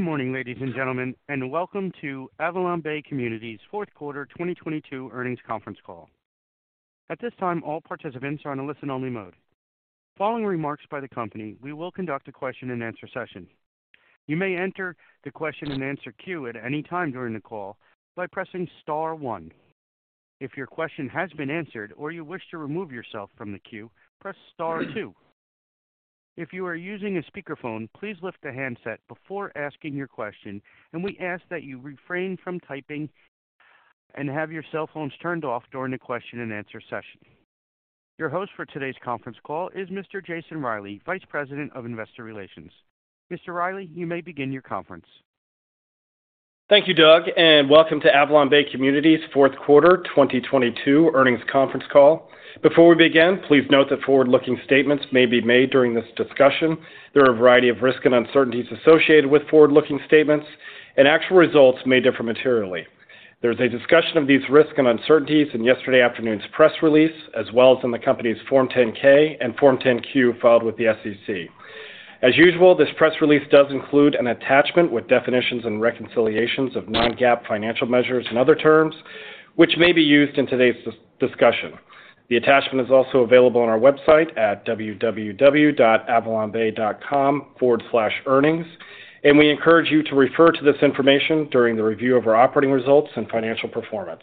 Good morning, ladies and gentlemen, and welcome to AvalonBay Communities' fourth quarter 2022 earnings conference call. At this time, all participants are on a listen-only mode. Following remarks by the company, we will conduct a question-and-answer session. You may enter the question-and-answer queue at any time during the call by pressing star one. If your question has been answered or you wish to remove yourself from the queue, press star two. If you are using a speakerphone, please lift the handset before asking your question, and we ask that you refrain from typing and have your cell phones turned off during the question-and-answer session. Your host for today's conference call is Mr. Jason Reilley, Vice President of Investor Relations. Mr. Reilley, you may begin your conference. Thank you, Doug, welcome to AvalonBay Communities' fourth quarter 2022 earnings conference call. Before we begin, please note that forward-looking statements may be made during this discussion. There are a variety of risks and uncertainties associated with forward-looking statements. Actual results may differ materially. There's a discussion of these risks and uncertainties in yesterday afternoon's press release, as well as in the company's Form 10-K and Form 10-Q filed with the SEC. As usual, this press release does include an attachment with definitions and reconciliations of non-GAAP financial measures and other terms, which may be used in today's discussion. The attachment is also available on our website at www.avalonbay.com/earnings. We encourage you to refer to this information during the review of our operating results and financial performance.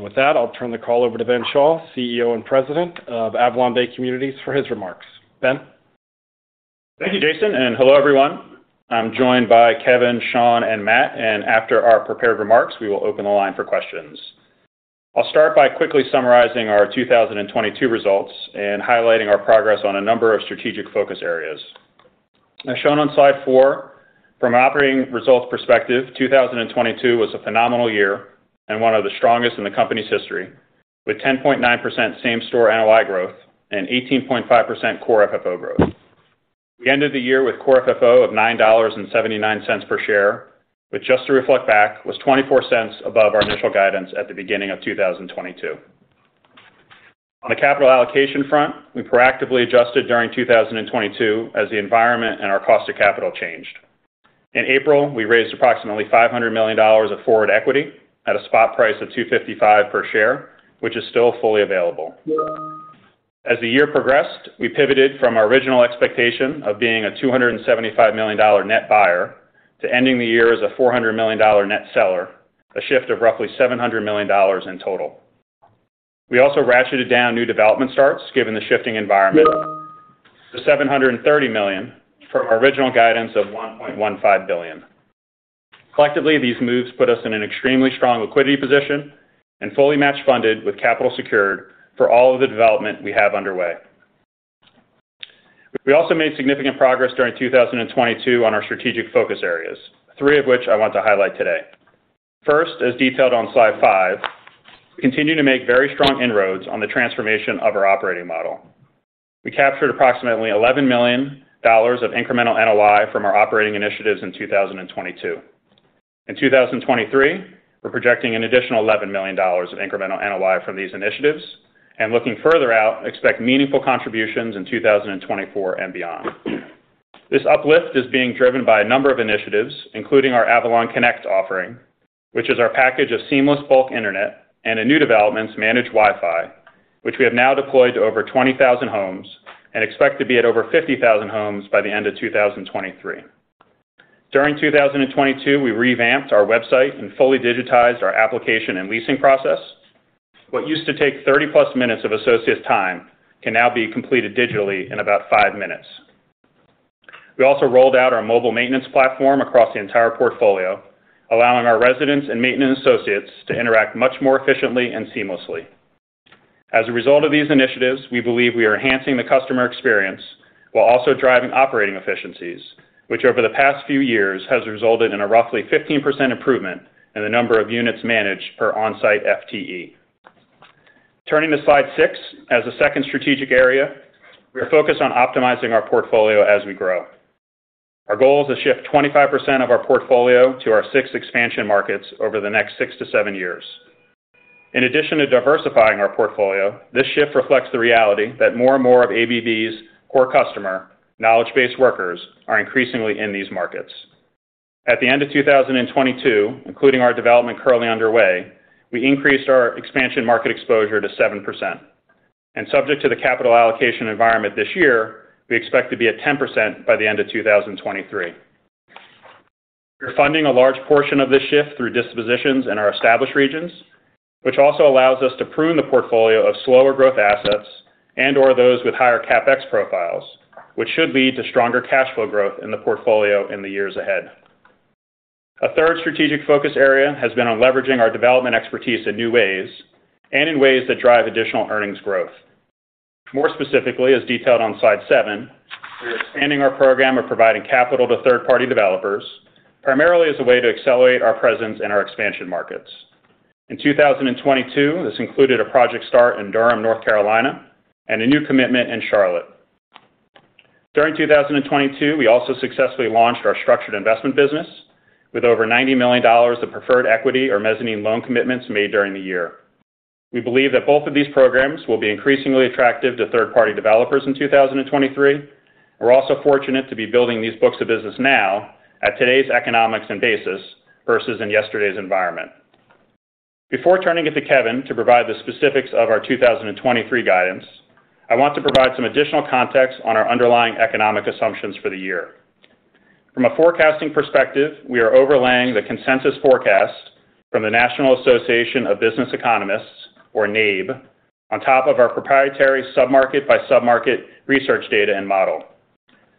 With that, I'll turn the call over to Benjamin Schall, CEO and President of AvalonBay Communities, for his remarks. Ben? Thank you, Jason, and hello, everyone. I'm joined by Kevin, Sean, and Matt, and after our prepared remarks, we will open the line for questions. I'll start by quickly summarizing our 2022 results and highlighting our progress on a number of strategic focus areas. As shown on slide 4, from an operating results perspective, 2022 was a phenomenal year and one of the strongest in the company's history, with 10.9% same-store NOI growth and 18.5% Core FFO growth. We ended the year with Core FFO of $9.79 per share, which just to reflect back, was $0.24 above our initial guidance at the beginning of 2022. On the capital allocation front, we proactively adjusted during 2022 as the environment and our cost of capital changed. In April, we raised approximately $500 million of forward equity at a spot price of $255 per share, which is still fully available. As the year progressed, we pivoted from our original expectation of being a $275 million net buyer to ending the year as a $400 million net seller, a shift of roughly $700 million in total. We also ratcheted down new development starts given the shifting environment to $730 million from our original guidance of $1.15 billion. Collectively, these moves put us in an extremely strong liquidity position and fully match funded with capital secured for all of the development we have underway. We also made significant progress during 2022 on our strategic focus areas, three of which I want to highlight today. First, as detailed on slide 5, we continue to make very strong inroads on the transformation of our operating model. We captured approximately $11 million of incremental NOI from our operating initiatives in 2022. In 2023, we're projecting an additional $11 million of incremental NOI from these initiatives and, looking further out, expect meaningful contributions in 2024 and beyond. This uplift is being driven by a number of initiatives, including our Avalon Connect offering, which is our package of seamless bulk internet and in new developments, managed Wi-Fi, which we have now deployed to over 20,000 homes and expect to be at over 50,000 homes by the end of 2023. During 2022, we revamped our website and fully digitized our application and leasing process. What used to take 30-plus minutes of associates' time can now be completed digitally in about 5 minutes. We also rolled out our mobile maintenance platform across the entire portfolio, allowing our residents and maintenance associates to interact much more efficiently and seamlessly. As a result of these initiatives, we believe we are enhancing the customer experience while also driving operating efficiencies, which over the past few years has resulted in a roughly 15% improvement in the number of units managed per on-site FTE. Turning to slide 6, as a second strategic area, we are focused on optimizing our portfolio as we grow. Our goal is to shift 25% of our portfolio to our 6 expansion markets over the next 6 to 7 years. In addition to diversifying our portfolio, this shift reflects the reality that more and more of AVB's core customer, knowledge-based workers, are increasingly in these markets. At the end of 2022, including our development currently underway, we increased our expansion market exposure to 7%. Subject to the capital allocation environment this year, we expect to be at 10% by the end of 2023. We're funding a large portion of this shift through dispositions in our established regions, which also allows us to prune the portfolio of slower growth assets and/or those with higher CapEx profiles, which should lead to stronger cash flow growth in the portfolio in the years ahead. A third strategic focus area has been on leveraging our development expertise in new ways and in ways that drive additional earnings growth. More specifically, as detailed on slide seven, we are expanding our program of providing capital to third-party developers primarily as a way to accelerate our presence in our expansion markets. In 2022, this included a project start in Durham, North Carolina, and a new commitment in Charlotte. During 2022, we also successfully launched our Structured Investment business with over $90 million of preferred equity or mezzanine loan commitments made during the year. We believe that both of these programs will be increasingly attractive to third-party developers in 2023. We're also fortunate to be building these books of business now at today's economics and basis versus in yesterday's environment. Before turning it to Kevin to provide the specifics of our 2023 guidance, I want to provide some additional context on our underlying economic assumptions for the year. From a forecasting perspective, we are overlaying the consensus forecast from the National Association for Business Economics, or NABE, on top of our proprietary sub-market by sub-market research data and model.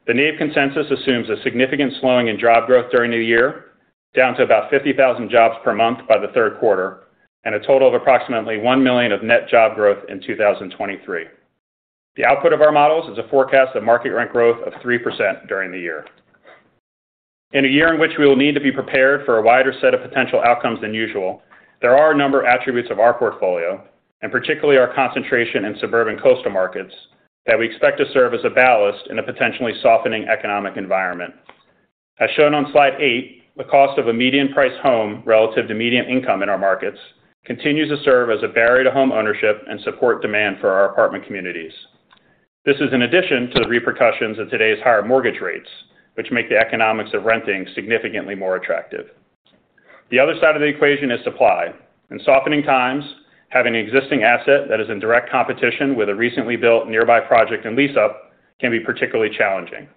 The NABE consensus assumes a significant slowing in job growth during the year, down to about 50,000 jobs per month by the third quarter, and a total of approximately 1 million of net job growth in 2023. The output of our models is a forecast of market rent growth of 3% during the year. In a year in which we will need to be prepared for a wider set of potential outcomes than usual, there are a number of attributes of our portfolio, and particularly our concentration in suburban coastal markets that we expect to serve as a ballast in a potentially softening economic environment. As shown on slide 8, the cost of a median price home relative to median income in our markets continues to serve as a barrier to home ownership and support demand for our apartment communities. This is in addition to the repercussions of today's higher mortgage rates, which make the economics of renting significantly more attractive. The other side of the equation is supply. In softening times, having an existing asset that is in direct competition with a recently built nearby project and lease-up can be particularly challenging.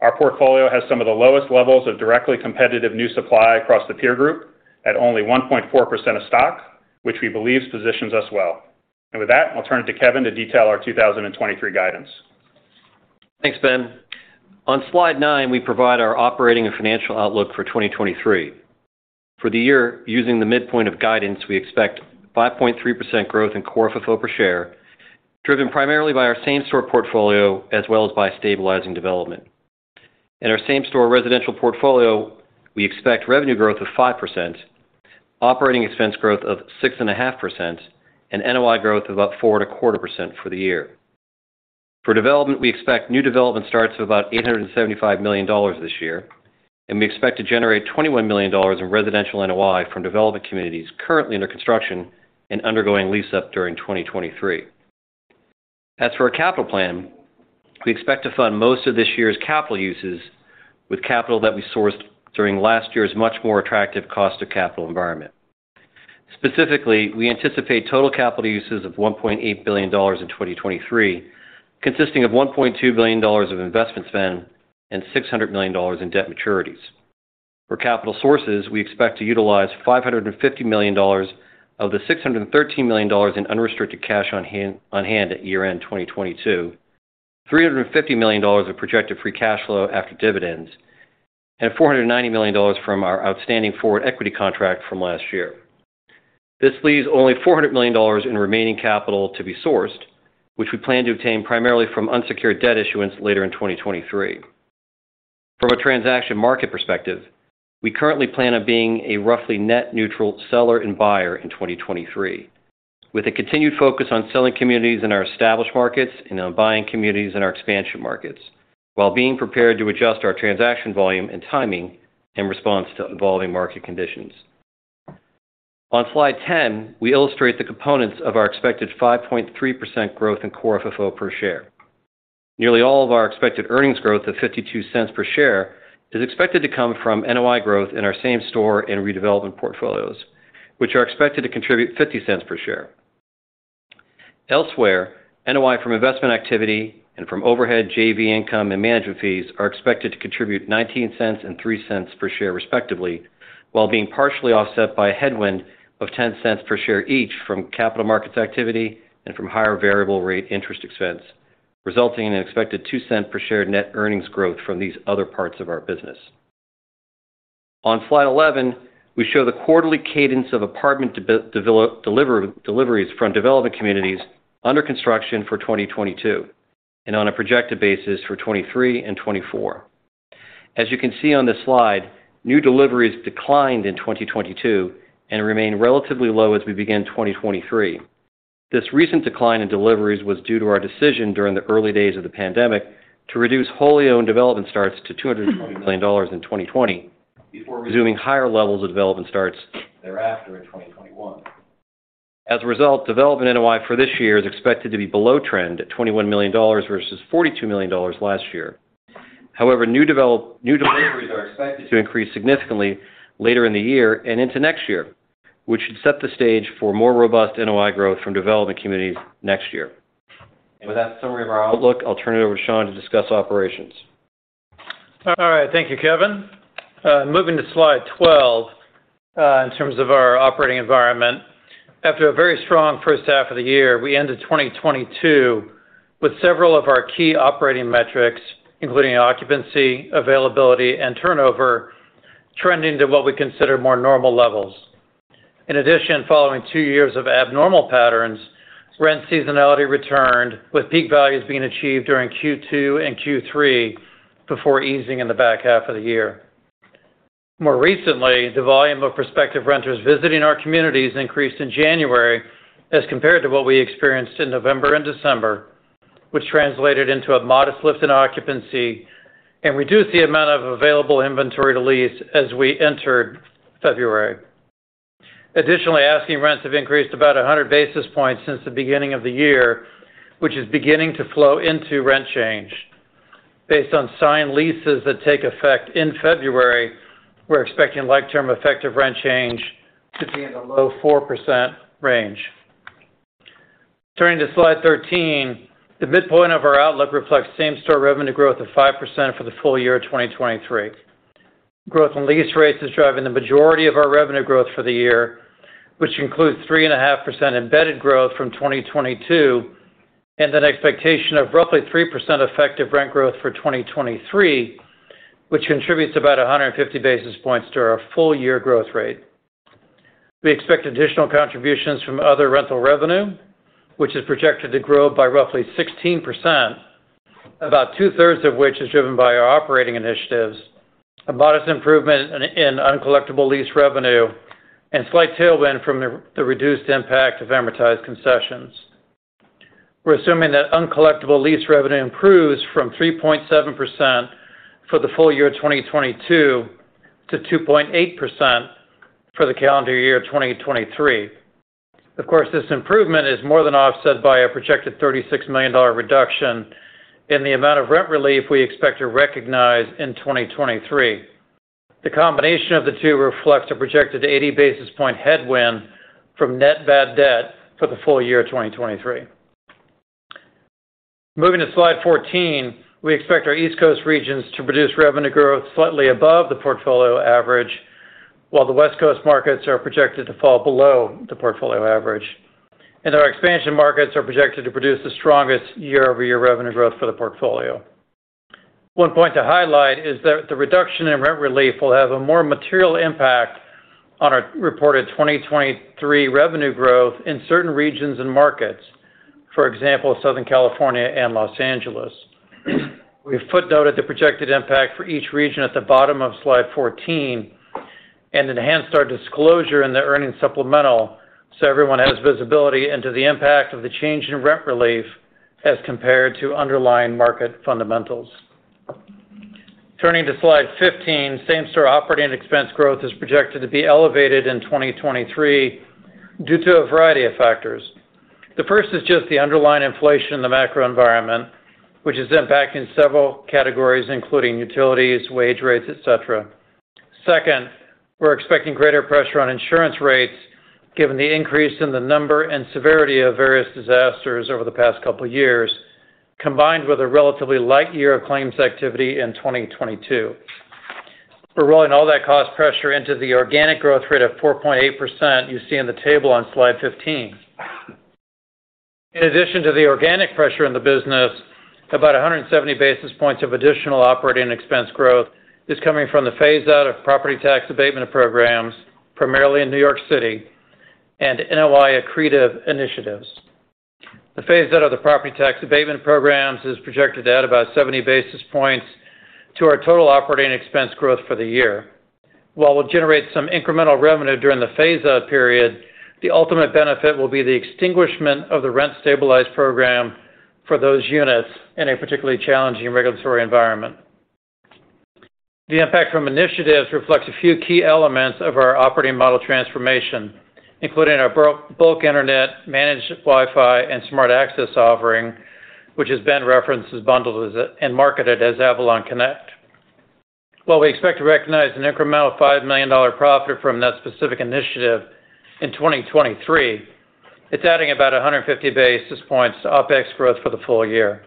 Our portfolio has some of the lowest levels of directly competitive new supply across the peer group at only 1.4% of stock, which we believe positions us well. With that, I'll turn it to Kevin to detail our 2023 guidance. Thanks, Ben. On slide 9, we provide our operating and financial outlook for 2023. For the year, using the midpoint of guidance, we expect 5.3% growth in Core FFO per share, driven primarily by our same-store portfolio, as well as by stabilizing development. In our same-store residential portfolio, we expect revenue growth of 5%, operating expense growth of 6.5%, and NOI growth of about 4.25% for the year. For development, we expect new development starts of about $875 million this year, and we expect to generate $21 million in residential NOI from development communities currently under construction and undergoing lease-up during 2023. As for our capital plan, we expect to fund most of this year's capital uses with capital that we sourced during last year's much more attractive cost of capital environment. Specifically, we anticipate total capital uses of $1.8 billion in 2023, consisting of $1.2 billion of investment spend and $600 million in debt maturities. For capital sources, we expect to utilize $550 million of the $613 million in unrestricted cash on hand at year-end 2022, $350 million of projected free cash flow after dividends, and $490 million from our outstanding forward equity contract from last year. This leaves only $400 million in remaining capital to be sourced, which we plan to obtain primarily from unsecured debt issuance later in 2023. From a transaction market perspective, we currently plan on being a roughly net neutral seller and buyer in 2023, with a continued focus on selling communities in our established markets and on buying communities in our expansion markets while being prepared to adjust our transaction volume and timing in response to evolving market conditions. On slide 10, we illustrate the components of our expected 5.3% growth in Core FFO per share. Nearly all of our expected earnings growth of $0.52 per share is expected to come from NOI growth in our same store and redevelopment portfolios, which are expected to contribute $0.50 per share. Elsewhere, NOI from investment activity and from overhead JV income and management fees are expected to contribute $0.19 and $0.03 per share respectively, while being partially offset by a headwind of $0.10 per share each from capital markets activity and from higher variable rate interest expense, resulting in an expected $0.02 per share net earnings growth from these other parts of our business. On slide 11, we show the quarterly cadence of apartment deliveries from development communities under construction for 2022 and on a projected basis for 2023 and 2024. As you can see on the slide, new deliveries declined in 2022 and remain relatively low as we begin 2023. This recent decline in deliveries was due to our decision during the early days of the pandemic to reduce wholly owned development starts to $220 million in 2020 before resuming higher levels of development starts thereafter in 2021. As a result, development NOI for this year is expected to be below trend at $21 million versus $42 million last year. However, new deliveries are expected to increase significantly later in the year and into next year, which should set the stage for more robust NOI growth from development communities next year. With that summary of our outlook, I'll turn it over to Sean to discuss operations. All right. Thank you, Kevin. moving to slide 12, in terms of our operating environment. After a very strong first half of the year, we ended 2022 with several of our key operating metrics, including occupancy, availability, and turnover, trending to what we consider more normal levels. In addition, following two years of abnormal patterns, rent seasonality returned, with peak values being achieved during Q2 and Q3 before easing in the back half of the year. More recently, the volume of prospective renters visiting our communities increased in January as compared to what we experienced in November and December. Translated into a modest lift in occupancy and reduced the amount of available inventory to lease as we entered February. Additionally, asking rents have increased about 100 basis points since the beginning of the year, which is beginning to flow into rent change. Based on signed leases that take effect in February, we're expecting like term effective rent change to be in the low 4% range. Turning to slide 13, the midpoint of our outlook reflects same-store revenue growth of 5% for the full year of 2023. Growth in lease rates is driving the majority of our revenue growth for the year, which includes 3.5% embedded growth from 2022, and an expectation of roughly 3% effective rent growth for 2023, which contributes about 150 basis points to our full year growth rate. We expect additional contributions from other rental revenue, which is projected to grow by roughly 16%, about two-thirds of which is driven by our operating initiatives, a modest improvement in uncollectible lease revenue, and slight tailwind from the reduced impact of amortized concessions. We're assuming that uncollectible lease revenue improves from 3.7% for the full year of 2022 to 2.8% for the calendar year of 2023. This improvement is more than offset by a projected $36 million reduction in the amount of rent relief we expect to recognize in 2023. The combination of the two reflects a projected 80 basis point headwind from net bad debt for the full year of 2023. Moving to slide 14. We expect our East Coast regions to produce revenue growth slightly above the portfolio average, while the West Coast markets are projected to fall below the portfolio average. Our expansion markets are projected to produce the strongest year-over-year revenue growth for the portfolio. One point to highlight is that the reduction in rent relief will have a more material impact on our reported 2023 revenue growth in certain regions and markets, for example, Southern California and Los Angeles. We've footnoted the projected impact for each region at the bottom of slide 14 and enhanced our disclosure in the earnings supplemental so everyone has visibility into the impact of the change in rent relief as compared to underlying market fundamentals. Turning to slide 15. Same-store operating expense growth is projected to be elevated in 2023 due to a variety of factors. The first is just the underlying inflation in the macro environment, which is impacting several categories, including utilities, wage rates, et cetera. We're expecting greater pressure on insurance rates given the increase in the number and severity of various disasters over the past couple years, combined with a relatively light year of claims activity in 2022. We're rolling all that cost pressure into the organic growth rate of 4.8% you see in the table on slide 15. In addition to the organic pressure in the business, about 170 basis points of additional operating expense growth is coming from the phase out of property tax abatement programs, primarily in New York City, and NOI accretive initiatives. The phase out of the property tax abatement programs is projected to add about 70 basis points to our total operating expense growth for the year. While we'll generate some incremental revenue during the phase out period, the ultimate benefit will be the extinguishment of the rent stabilized program for those units in a particularly challenging regulatory environment. The impact from initiatives reflects a few key elements of our operating model transformation, including our bulk Internet, managed Wi-Fi, and smart access offering, which has been referenced as bundled as and marketed as Avalon Connect. While we expect to recognize an incremental $5 million profit from that specific initiative in 2023, it's adding about 150 basis points to OpEx growth for the full year.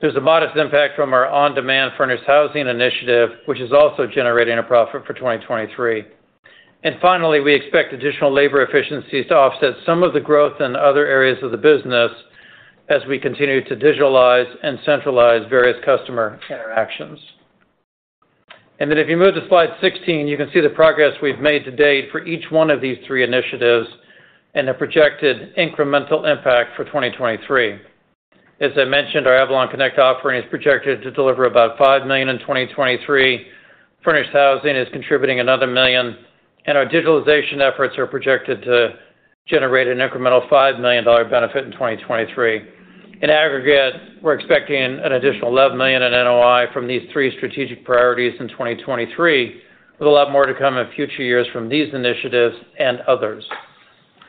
There's a modest impact from our on-demand furnished housing initiative, which is also generating a profit for 2023. Finally, we expect additional labor efficiencies to offset some of the growth in other areas of the business as we continue to digitalize and centralize various customer interactions. If you move to slide 16, you can see the progress we've made to date for each one of these three initiatives and the projected incremental impact for 2023. As I mentioned, our Avalon Connect offering is projected to deliver about $5 million in 2023. Furnished housing is contributing another $1 million, and our digitalization efforts are projected to generate an incremental $5 million dollar benefit in 2023. In aggregate, we're expecting an additional $11 million in NOI from these three strategic priorities in 2023, with a lot more to come in future years from these initiatives and others.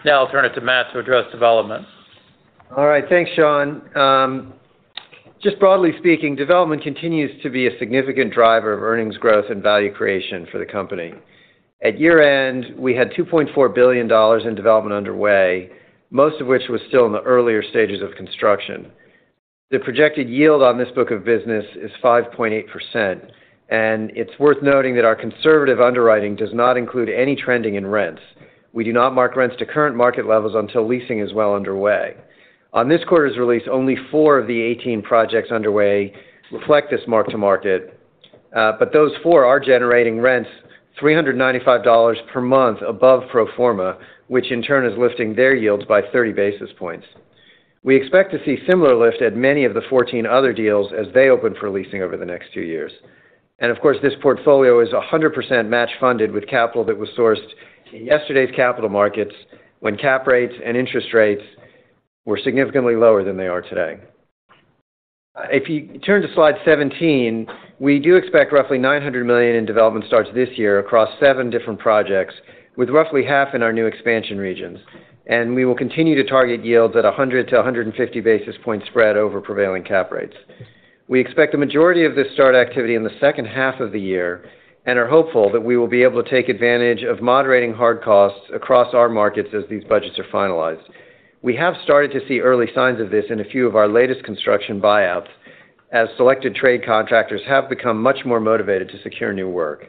Now I'll turn it to Matt to address development. All right. Thanks, Sean. Just broadly speaking, development continues to be a significant driver of earnings growth and value creation for the company. At year-end, we had $2.4 billion in development underway, most of which was still in the earlier stages of construction. The projected yield on this book of business is 5.8%. It's worth noting that our conservative underwriting does not include any trending in rents. We do not mark rents to current market levels until leasing is well underway. On this quarter's release, only four of the 18 projects underway reflect this mark-to-market. Those four are generating rents $395 per month above pro forma, which in turn is lifting their yields by 30 basis points. We expect to see similar lift at many of the 14 other deals as they open for leasing over the next two years. Of course, this portfolio is 100% match funded with capital that was sourced in yesterday's capital markets when cap rates and interest rates were significantly lower than they are today. If you turn to slide 17, we do expect roughly $900 million in development starts this year across seven different projects, with roughly half in our new expansion regions. We will continue to target yields at 100-150 basis points spread over prevailing cap rates. We expect the majority of this start activity in the second half of the year and are hopeful that we will be able to take advantage of moderating hard costs across our markets as these budgets are finalized. We have started to see early signs of this in a few of our latest construction buyouts as selected trade contractors have become much more motivated to secure new work.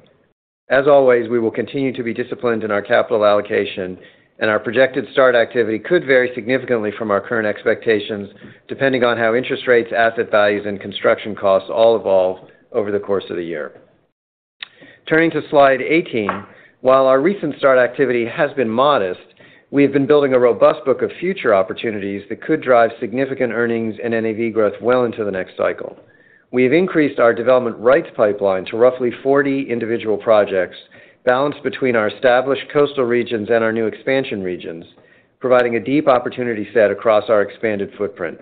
As always, we will continue to be disciplined in our capital allocation, our projected start activity could vary significantly from our current expectations, depending on how interest rates, asset values, and construction costs all evolve over the course of the year. Turning to slide 18, while our recent start activity has been modest, we have been building a robust book of future opportunities that could drive significant earnings and NAV growth well into the next cycle. We have increased our development rights pipeline to roughly 40 individual projects balanced between our established coastal regions and our new expansion regions, providing a deep opportunity set across our expanded footprint.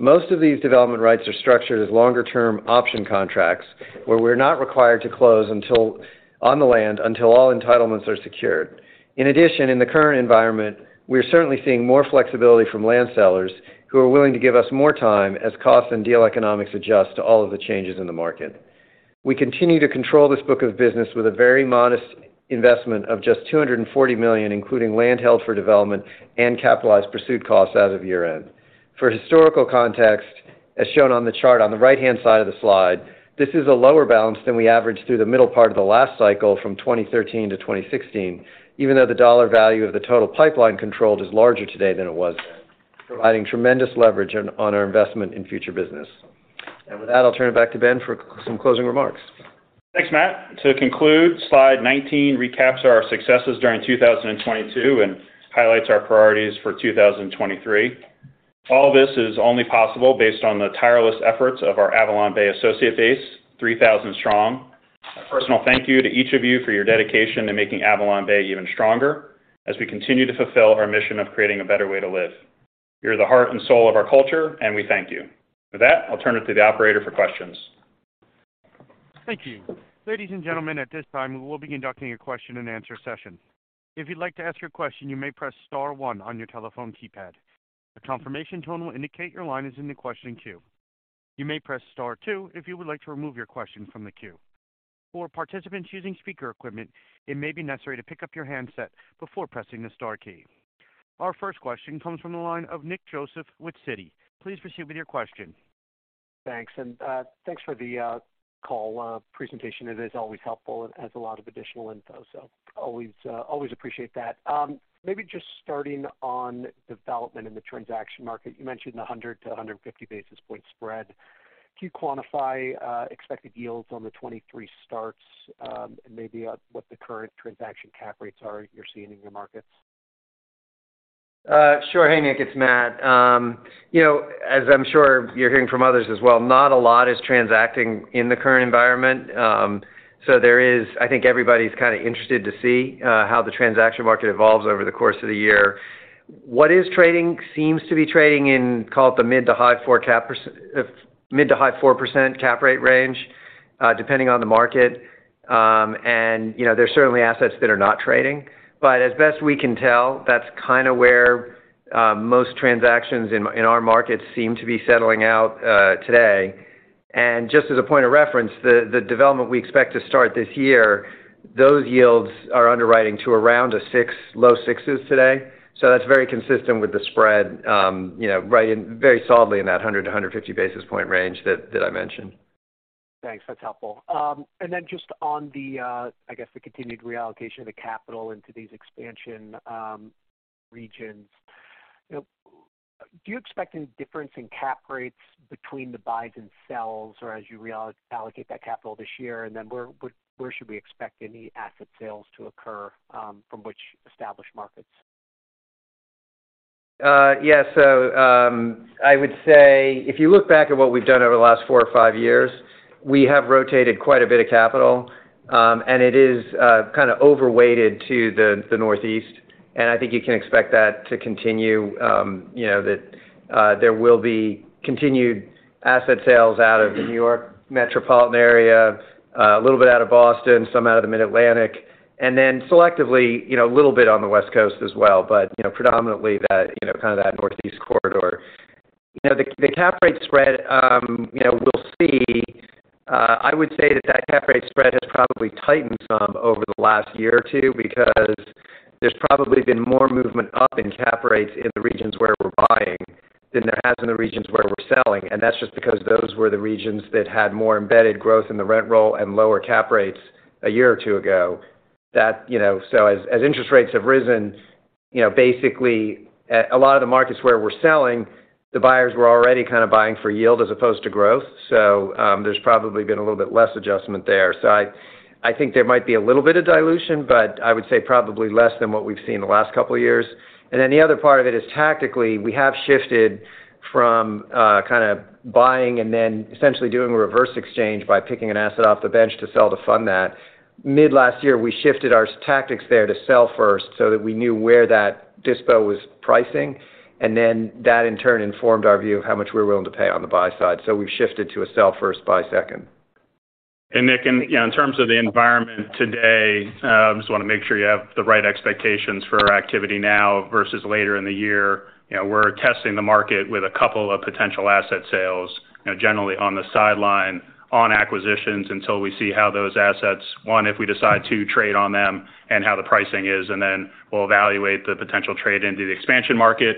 Most of these development rights are structured as longer-term option contracts, where we're not required to close until, on the land until all entitlements are secured. In addition, in the current environment, we're certainly seeing more flexibility from land sellers who are willing to give us more time as costs and deal economics adjust to all of the changes in the market. We continue to control this book of business with a very modest investment of just $240 million, including land held for development and capitalized pursuit costs as of year-end. For historical context, as shown on the chart on the right-hand side of the slide, this is a lower balance than we averaged through the middle part of the last cycle from 2013 to 2016, even though the dollar value of the total pipeline controlled is larger today than it was then, providing tremendous leverage on our investment in future business. With that, I'll turn it back to Ben for some closing remarks. Thanks, Matt. To conclude, slide 19 recaps our successes during 2022 and highlights our priorities for 2023. All this is only possible based on the tireless efforts of our AvalonBay associate base, 3,000 strong. A personal thank you to each of you for your dedication to making AvalonBay even stronger as we continue to fulfill our mission of creating a better way to live. You're the heart and soul of our culture, and we thank you. With that, I'll turn it to the operator for questions. Thank you. Ladies and gentlemen, at this time, we will be conducting a question-and-answer session. If you'd like to ask your question, you may press star one on your telephone keypad. A confirmation tone will indicate your line is in the questioning queue. You may press star two if you would like to remove your question from the queue. For participants using speaker equipment, it may be necessary to pick up your handset before pressing the star key. Our first question comes from the line of Nick Joseph with Citi. Please proceed with your question. Thanks, thanks for the call presentation. It is always helpful and has a lot of additional info. Always, always appreciate that. Maybe just starting on development in the transaction market. You mentioned a 100-150 basis point spread. Can you quantify expected yields on the 23 starts, and maybe what the current transaction cap rates are you're seeing in your markets? Sure. Hey, Nick, it's Matt. You know, as I'm sure you're hearing from others as well, not a lot is transacting in the current environment. There is I think everybody's kind of interested to see how the transaction market evolves over the course of the year. What is trading seems to be trading in, call it the mid to high 4% cap rate range, depending on the market. You know, there's certainly assets that are not trading. As best we can tell, that's kind of where most transactions in our markets seem to be settling out today. Just as a point of reference, the development we expect to start this year, those yields are underwriting to around a 6, low 6s today. That's very consistent with the spread, you know, very solidly in that 100-150 basis point range that I mentioned. Thanks. That's helpful. Just on the, I guess, the continued reallocation of the capital into these expansion regions, you know, do you expect any difference in cap rates between the buys and sells or as you reallocate that capital this year? Where should we expect any asset sales to occur from which established markets? Yeah. I would say if you look back at what we've done over the last four or five years, we have rotated quite a bit of capital, and it is kind of overweighted to the Northeast. I think you can expect that to continue, you know, that there will be continued asset sales out of the New York metropolitan area, a little bit out of Boston, some out of the Mid-Atlantic, and then selectively, you know, a little bit on the West Coast as well. You know, predominantly that, you know, kind of that Northeast corridor. You know, the cap rate spread, you know, we'll see. I would say that cap rate spread has probably tightened some over the last year or two because there's probably been more movement up in cap rates in the regions where we're buying than there has in the regions where we're selling. That's just because those were the regions that had more embedded growth in the rent roll and lower cap rates a year or two ago. That, you know, so as interest rates have risen, you know, basically, a lot of the markets where we're selling, the buyers were already kind of buying for yield as opposed to growth. There's probably been a little bit less adjustment there. I think there might be a little bit of dilution, but I would say probably less than what we've seen the last couple of years. The other part of it is tactically, we have shifted from, kind of buying and then essentially doing a reverse exchange by picking an asset off the bench to sell to fund that. Mid last year, we shifted our tactics there to sell first so that we knew where that dispo was pricing, and then that in turn informed our view of how much we're willing to pay on the buy side. We've shifted to a sell first, buy second. Nick, in, you know, in terms of the environment today, I just wanna make sure you have the right expectations for our activity now versus later in the year. You know, we're testing the market with a couple of potential asset sales, you know, generally on the sideline on acquisitions until we see how those assets, one, if we decide to trade on them and how the pricing is, and then we'll evaluate the potential trade into the expansion market,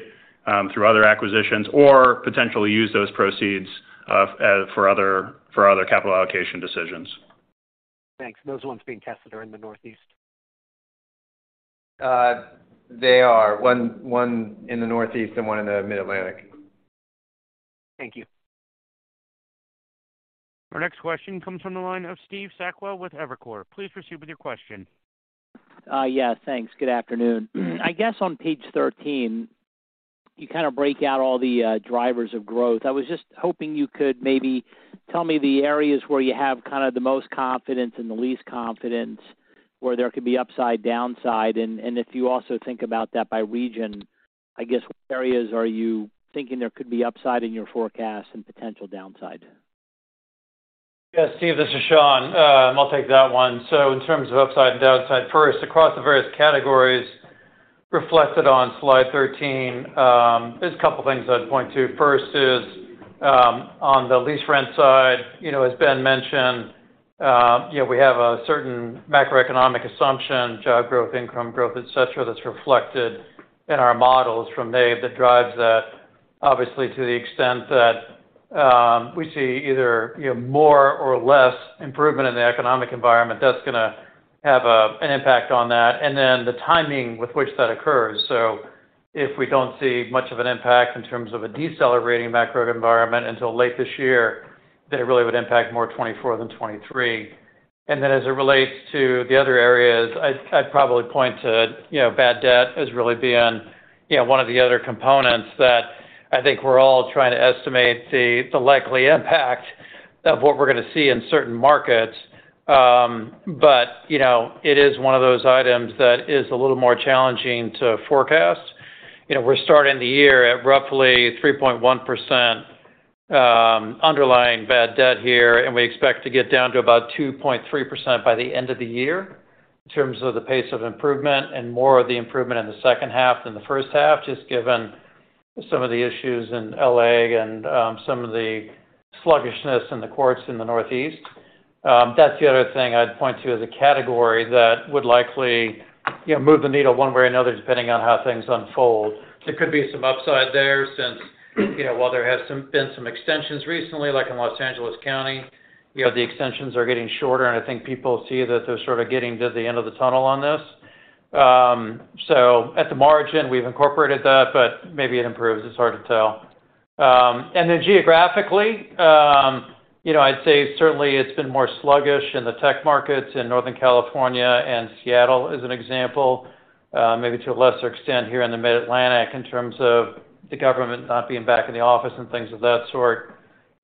through other acquisitions or potentially use those proceeds for other capital allocation decisions. Thanks. Those ones being tested are in the Northeast. They are. 1 in the Northeast and 1 in the Mid-Atlantic. Thank you. Our next question comes from the line of Steve Sakwa with Evercore. Please proceed with your question. Yeah, thanks. Good afternoon. I guess on page 13, you kind of break out all the drivers of growth. I was just hoping you could maybe tell me the areas where you have kind of the most confidence and the least confidence, where there could be upside, downside, and if you also think about that by region, I guess, what areas are you thinking there could be upside in your forecast and potential downside? Yes, Steve, this is Sean. I'll take that one. In terms of upside and downside, first, across the various categories reflected on slide 13, there's a couple of things I'd point to. First is, on the lease rent side, you know, as Ben mentioned, you know, we have a certain macroeconomic assumption, job growth, income growth, et cetera, that's reflected in our models from NABE that drives that. Obviously, to the extent that, we see either, you know, more or less improvement in the economic environment, that's gonna have an impact on that, and then the timing with which that occurs. If we don't see much of an impact in terms of a decelerating macro environment until late this year, then it really would impact more 2024 than 2023. As it relates to the other areas, I'd probably point to, you know, bad debt as really being, you know, one of the other components that I think we're all trying to estimate the likely impact of what we're gonna see in certain markets. You know, it is one of those items that is a little more challenging to forecast. You know, we're starting the year at roughly 3.1%, underlying bad debt here, and we expect to get down to about 2.3% by the end of the year in terms of the pace of improvement and more of the improvement in the second half than the first half, just given some of the issues in L.A. and some of the sluggishness in the courts in the Northeast. That's the other thing I'd point to as a category that would likely, you know, move the needle one way or another, depending on how things unfold. There could be some upside there since, you know, while there has been some extensions recently, like in Los Angeles County, you know, the extensions are getting shorter, and I think people see that they're sort of getting to the end of the tunnel on this. At the margin, we've incorporated that, but maybe it improves. It's hard to tell. Geographically, you know, I'd say certainly it's been more sluggish in the tech markets in Northern California and Seattle as an example, maybe to a lesser extent here in the mid-Atlantic in terms of the government not being back in the office and things of that sort.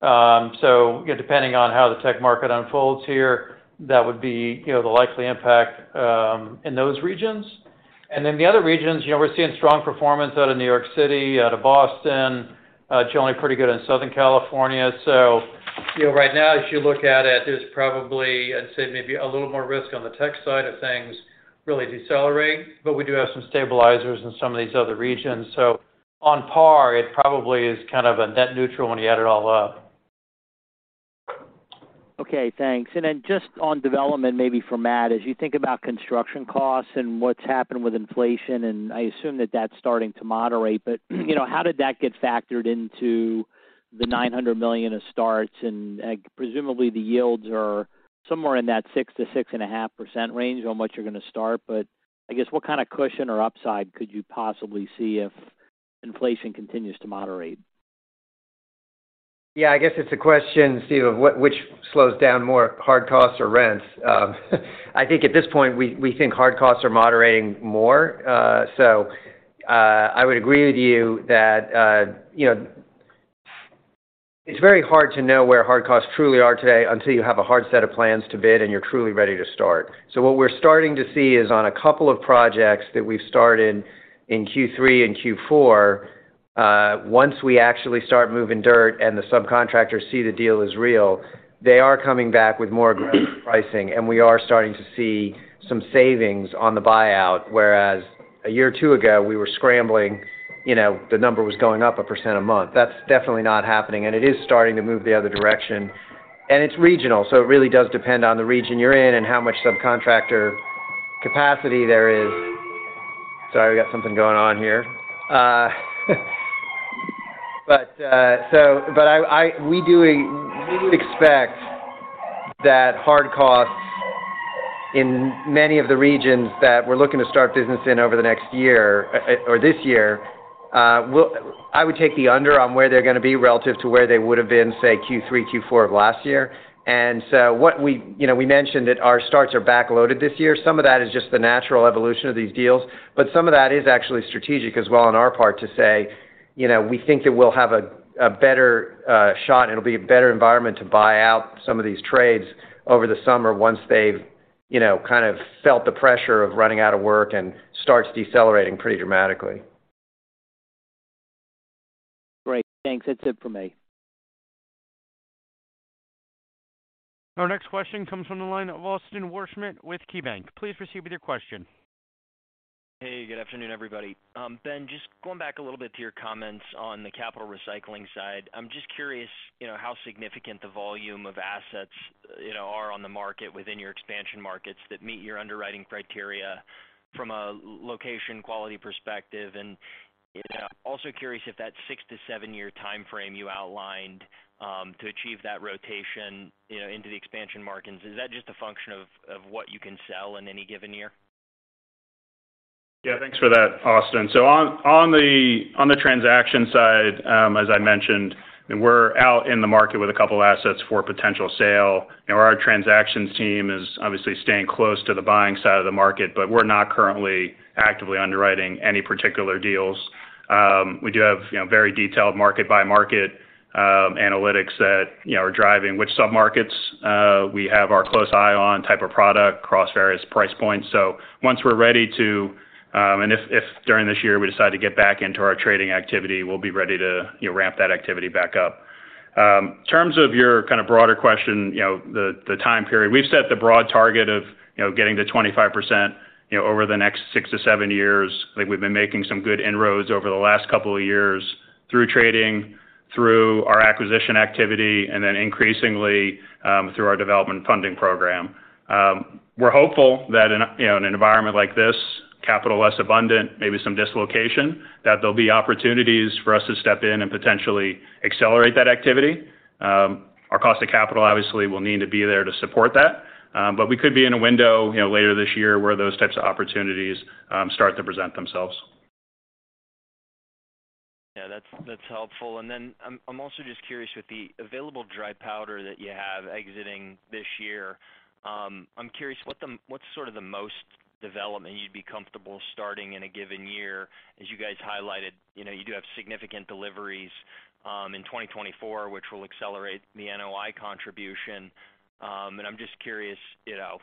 You know, depending on how the tech market unfolds here, that would be, you know, the likely impact in those regions. The other regions, you know, we're seeing strong performance out of New York City, out of Boston, generally pretty good in Southern California. You know, right now, as you look at it, there's probably, I'd say, maybe a little more risk on the tech side if things really decelerate. We do have some stabilizers in some of these other regions. On par, it probably is kind of a net neutral when you add it all up. Okay, thanks. Then just on development, maybe for Matt, as you think about construction costs and what's happened with inflation, and I assume that that's starting to moderate. You know, how did that get factored into the $900 million of starts? Presumably, the yields are somewhere in that 6%-6.5% range on what you're gonna start. I guess what kind of cushion or upside could you possibly see if inflation continues to moderate? Yeah, I guess it's a question, Steve, of which slows down more hard costs or rents. I think at this point, we think hard costs are moderating more. I would agree with you that, you know, it's very hard to know where hard costs truly are today until you have a hard set of plans to bid and you're truly ready to start. What we're starting to see is on a couple of projects that we've started in Q3 and Q4, once we actually start moving dirt and the subcontractors see the deal is real, they are coming back with more aggressive pricing, and we are starting to see some savings on the buyout, whereas a year or two ago, we were scrambling, you know, the number was going up 1% a month. That's definitely not happening, and it is starting to move the other direction, and it's regional. It really does depend on the region you're in and how much subcontractor capacity there is. Sorry, I got something going on here. We do expect that hard costs in many of the regions that we're looking to start business in over the next year or this year will I would take the under on where they're gonna be relative to where they would have been, say, Q3, Q4 of last year. You know, we mentioned that our starts are backloaded this year. Some of that is just the natural evolution of these deals. Some of that is actually strategic as well on our part to say, you know, we think that we'll have a better shot and it'll be a better environment to buy out some of these trades over the summer once they've You know, kind of felt the pressure of running out of work and starts decelerating pretty dramatically. Great. Thanks. That's it for me. Our next question comes from the line of Austin Wurschmidt with KeyBanc. Please proceed with your question. Hey, good afternoon, everybody. Ben, just going back a little bit to your comments on the capital recycling side. I'm just curious, you know, how significant the volume of assets, you know, are on the market within your expansion markets that meet your underwriting criteria from a location quality perspective? You know, I'm also curious if that 6-7 year timeframe you outlined to achieve that rotation, you know, into the expansion markets, is that just a function of what you can sell in any given year? Yeah, thanks for that, Austin. On the transaction side, as I mentioned, we're out in the market with a couple of assets for potential sale. You know, our transactions team is obviously staying close to the buying side of the market, but we're not currently actively underwriting any particular deals. We do have, you know, very detailed market by market analytics that, you know, are driving which submarkets we have our close eye on type of product across various price points. Once we're ready to, if during this year we decide to get back into our trading activity, we'll be ready to, you know, ramp that activity back up. In terms of your kind of broader question, you know, the time period, we've set the broad target of, you know, getting to 25%, you know, over the next 6-7 years. I think we've been making some good inroads over the last couple of years through trading, through our acquisition activity, and then increasingly, through our Developer Funding Program. We're hopeful that in, you know, an environment like this, capital less abundant, maybe some dislocation, that there'll be opportunities for us to step in and potentially accelerate that activity. Our cost of capital obviously will need to be there to support that. We could be in a window, you know, later this year where those types of opportunities, start to present themselves. Yeah, that's helpful. I'm also just curious with the available dry powder that you have exiting this year, I'm curious what's sort of the most development you'd be comfortable starting in a given year? As you guys highlighted, you know, you do have significant deliveries in 2024, which will accelerate the NOI contribution. I'm just curious, you know,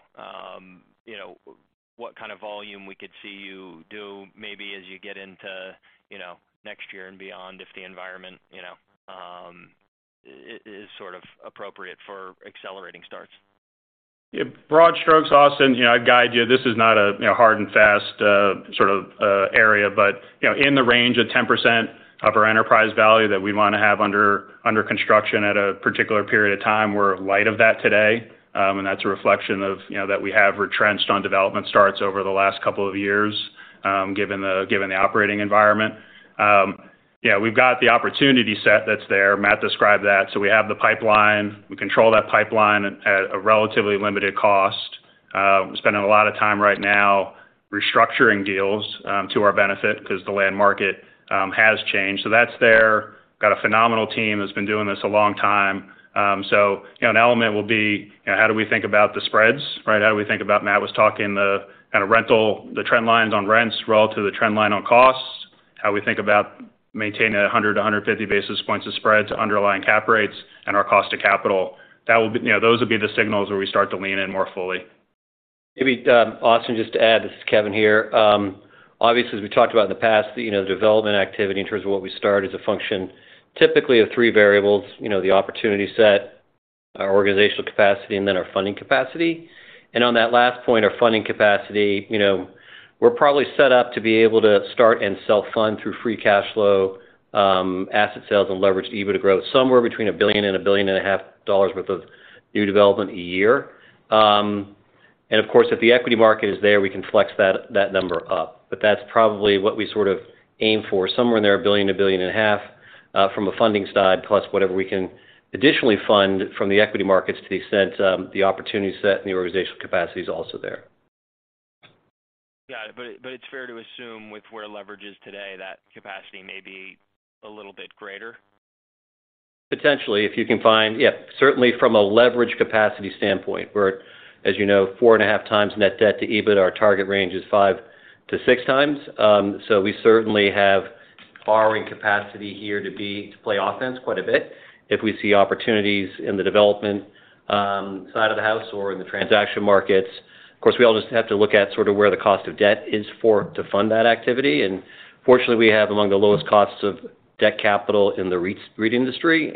what kind of volume we could see you do maybe as you get into, you know, next year and beyond if the environment, you know, is sort of appropriate for accelerating starts. Broad strokes, Austin, you know, I'd guide you, this is not a, you know, hard and fast sort of area, but, you know, in the range of 10% of our enterprise value that we wanna have under construction at a particular period of time. We're light of that today, and that's a reflection of, you know, that we have retrenched on development starts over the last couple of years, given the operating environment. We've got the opportunity set that's there. Matt described that. We have the pipeline. We control that pipeline at a relatively limited cost. We're spending a lot of time right now restructuring deals to our benefit because the land market has changed. That's there. Got a phenomenal team that's been doing this a long time. You know, an element will be, you know, how do we think about the spreads, right? How do we think about Matt was talking the kind of rental, the trend lines on rents relative to the trend line on costs, how we think about maintaining 100 to 150 basis points of spread to underlying cap rates and our cost of capital. That will be. You know, those will be the signals where we start to lean in more fully. Maybe, Austin, just to add, this is Kevin here. Obviously, as we talked about in the past, you know, the development activity in terms of what we start is a function typically of three variables, you know, the opportunity set, our organizational capacity, and then our funding capacity. On that last point, our funding capacity, you know, we're probably set up to be able to start and self-fund through free cash flow, asset sales and leverage EBITDA growth somewhere between $1 billion and $1.5 billion worth of new development a year. Of course, if the equity market is there, we can flex that number up. That's probably what we sort of aim for, somewhere in there, $1 billion to a billion and a half, from a funding side, plus whatever we can additionally fund from the equity markets to the extent, the opportunity set and the organizational capacity is also there. Got it. It's fair to assume with where leverage is today, that capacity may be a little bit greater. Potentially, if you can find. Yeah, certainly from a leverage capacity standpoint, we're, as you know, 4.5 times net debt to EBITDA. Our target range is 5 to 6 times. We certainly have borrowing capacity here to play offense quite a bit if we see opportunities in the development side of the house or in the transaction markets. Of course, we all just have to look at sort of where the cost of debt is to fund that activity. Fortunately, we have among the lowest costs of debt capital in the REIT industry.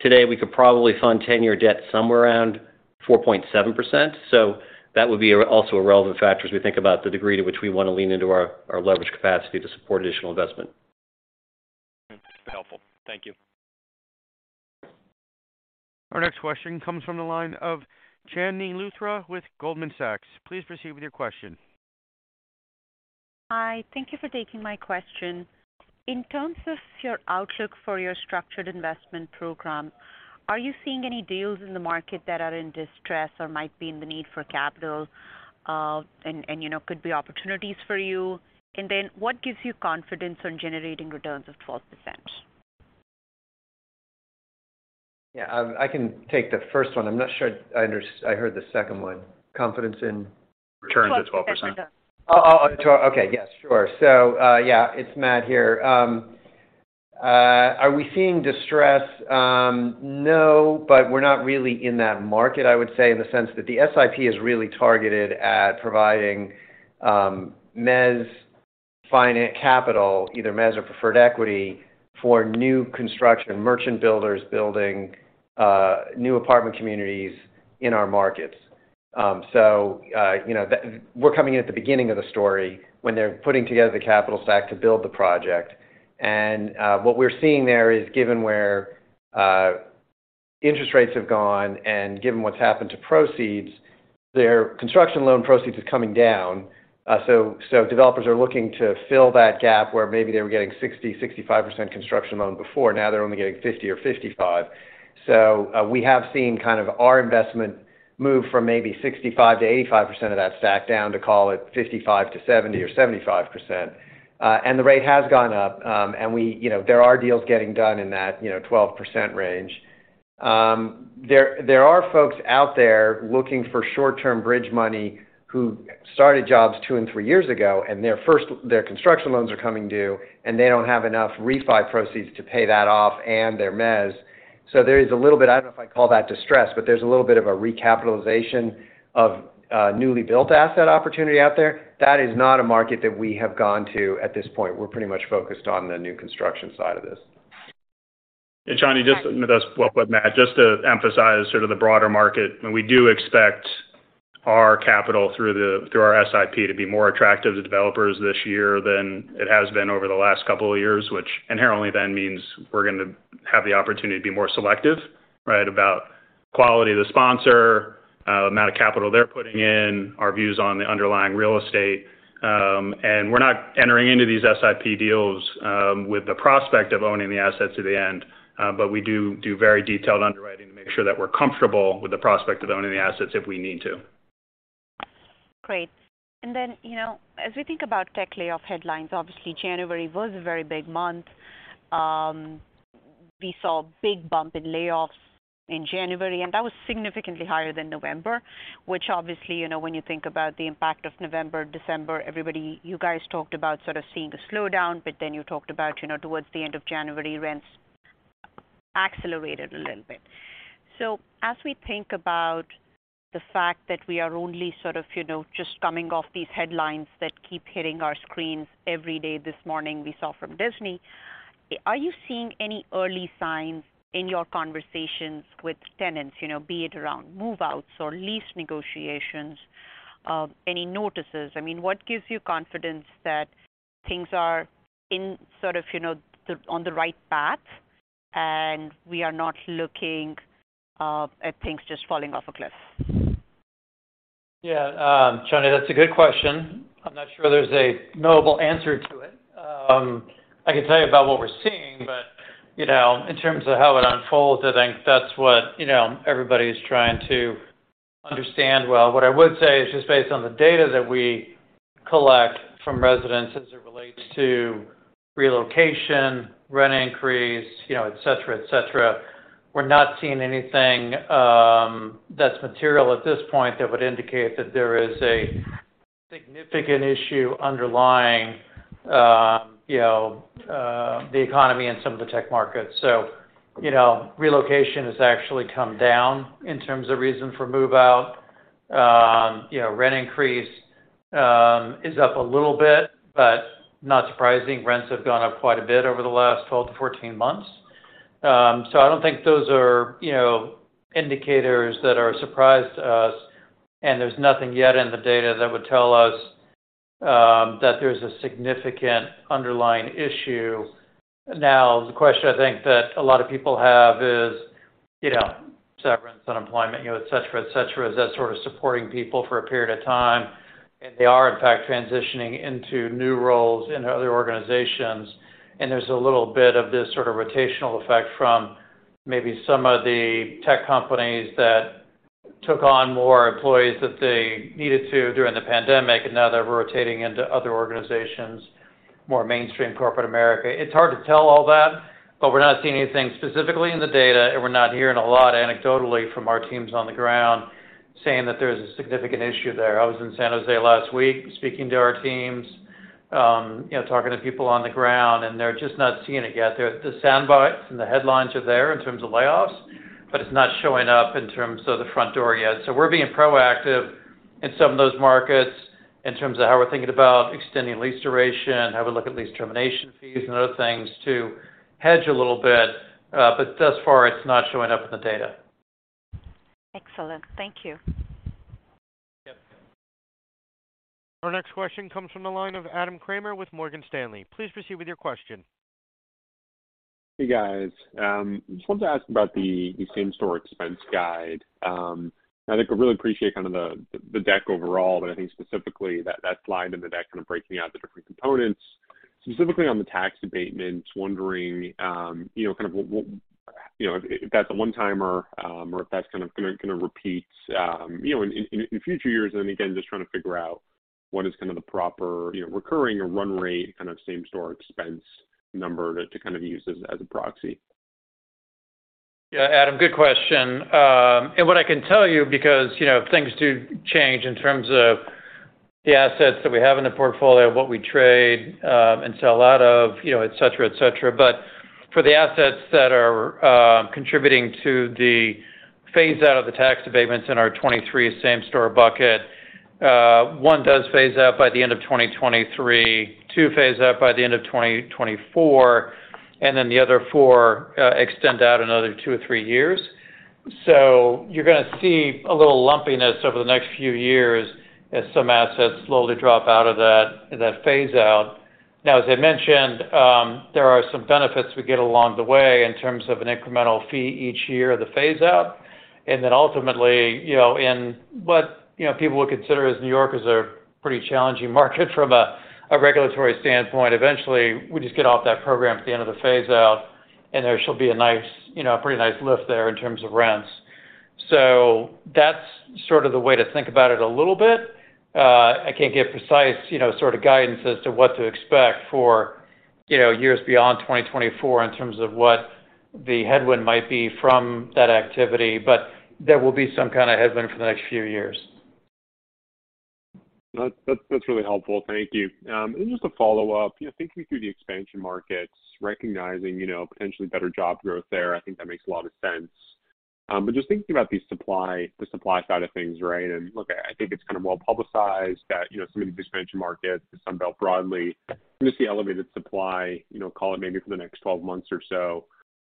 Today, we could probably fund 10-year debt somewhere around 4.7%. That would be also a relevant factor as we think about the degree to which we want to lean into our leverage capacity to support additional investment. Helpful. Thank you. Our next question comes from the line of Chandni Luthra with Goldman Sachs. Please proceed with your question. Hi. Thank you for taking my question. In terms of your outlook for your Structured Investment Program, are you seeing any deals in the market that are in distress or might be in the need for capital, you know, could be opportunities for you? Then what gives you confidence on generating returns of 12%? Yeah, I can take the first one. I'm not sure I heard the second one. Confidence in- Returns of 12%. 12%. Got it. Oh, oh. Okay. Yes, sure. Yeah, it's Matt here. Are we seeing distress? No, but we're not really in that market, I would say, in the sense that the SIP is really targeted at providing mezz capital, either mezz or preferred equity for new construction, merchant builders building new apartment communities in our markets. You know, we're coming in at the beginning of the story when they're putting together the capital stack to build the project. What we're seeing there is, given where interest rates have gone and given what's happened to proceeds, their construction loan proceeds is coming down. Developers are looking to fill that gap where maybe they were getting 60%-65% construction loan before, now they're only getting 50% or 55%. We have seen kind of our investment move from maybe 65%-85% of that stack down to call it 55%-70% or 75%. The rate has gone up. You know, there are deals getting done in that, you know, 12% range. There are folks out there looking for short-term bridge money who started jobs 2 and 3 years ago, and their construction loans are coming due, and they don't have enough refi proceeds to pay that off and their mezz. There is a little bit, I don't know if I call that distress, but there's a little bit of a recapitalization of newly built asset opportunity out there. That is not a market that we have gone to at this point. We're pretty much focused on the new construction side of this. Chandni, just with Matt, just to emphasize sort of the broader market, we do expect our capital through the through our SIP to be more attractive to developers this year than it has been over the last couple of years, which inherently then means we're gonna have the opportunity to be more selective, right? About quality of the sponsor, amount of capital they're putting in, our views on the underlying real estate. We're not entering into these SIP deals with the prospect of owning the assets at the end. We do very detailed underwriting to make sure that we're comfortable with the prospect of owning the assets if we need to. Great. you know, as we think about tech layoff headlines, obviously January was a very big month. We saw a big bump in layoffs in January, and that was significantly higher than November, which obviously, you know, when you think about the impact of November, December, you guys talked about sort of seeing a slowdown, but then you talked about, you know, towards the end of January, rents accelerated a little bit. as we think about the fact that we are only sort of, you know, just coming off these headlines that keep hitting our screens every day, this morning we saw from Disney, are you seeing any early signs in your conversations with tenants, you know, be it around move-outs or lease negotiations, any notices? I mean, what gives you confidence that things are in sort of, you know, on the right path and we are not looking at things just falling off a cliff? Yeah, Chandni, that's a good question. I'm not sure there's a knowable answer to it. I can tell you about what we're seeing, but, you know, in terms of how it unfolds, I think that's what, you know, everybody's trying to understand well. What I would say is just based on the data that we collect from residents as it relates to relocation, rent increase, you know, et cetera, et cetera, we're not seeing anything that's material at this point that would indicate that there is a significant issue underlying, you know, the economy in some of the tech markets. You know, relocation has actually come down in terms of reason for move-out. You know, rent increase is up a little bit, but not surprising. Rents have gone up quite a bit over the last 12 to 14 months. I don't think those are, you know, indicators that are a surprise to us, and there's nothing yet in the data that would tell us that there's a significant underlying issue. Now, the question I think that a lot of people have is, you know, severance, unemployment, you know, et cetera, et cetera, is that sort of supporting people for a period of time? They are, in fact, transitioning into new roles in other organizations. There's a little bit of this sort of rotational effect from maybe some of the tech companies that took on more employees that they needed to during the pandemic, and now they're rotating into other organizations, more mainstream corporate America. It's hard to tell all that, but we're not seeing anything specifically in the data, and we're not hearing a lot anecdotally from our teams on the ground saying that there's a significant issue there. I was in San Jose last week speaking to our teams, you know, talking to people on the ground, and they're just not seeing it yet. The sound bites and the headlines are there in terms of layoffs, but it's not showing up in terms of the front door yet. We're being proactive in some of those markets in terms of how we're thinking about extending lease duration, have a look at lease termination fees and other things to hedge a little bit. Thus far, it's not showing up in the data. Excellent. Thank you. Yep. Our next question comes from the line of Adam Kramer with Morgan Stanley. Please proceed with your question. Hey, guys. Just wanted to ask about the same store expense guide. I think I really appreciate kind of the deck overall, but I think specifically that slide in the deck kind of breaking out the different components, specifically on the tax abatements, wondering, you know, kind of what, you know, if that's a one-timer, or if that's kind of gonna repeat, you know, in future years. Just trying to figure out what is kind of the proper, you know, recurring or run rate kind of same store expense number to kind of use as a proxy. Yeah, Adam, good question. What I can tell you, because, you know, things do change in terms of the assets that we have in the portfolio, what we trade, and sell out of, you know, et cetera, et cetera. For the assets that are contributing to the phase out of the tax abatements in our 23 same store bucket, 1 does phase out by the end of 2023, 2 phase out by the end of 2024, and then the other 4 extend out another 2 or 3 years. You're gonna see a little lumpiness over the next few years as some assets slowly drop out of that phase out. As I mentioned, there are some benefits we get along the way in terms of an incremental fee each year of the phase out. Then ultimately, you know, but, you know, people would consider as New Yorkers are pretty challenging market from a regulatory standpoint. Eventually, we just get off that program at the end of the phase out, and there shall be a nice, you know, a pretty nice lift there in terms of rents. I can't give precise, you know, sort of guidance as to what to expect for, you know, years beyond 2024 in terms of what the headwind might be from that activity, but there will be some kinda headwind for the next few years. That's really helpful. Thank you. Just a follow-up. You know, thinking through the expansion markets, recognizing, you know, potentially better job growth there, I think that makes a lot of sense. just thinking about the supply side of things, right? Look, I think it's kind of well-publicized that, you know, some of these expansion markets, the Sun Belt broadly, gonna see elevated supply, you know, call it maybe for the next 12 months or so.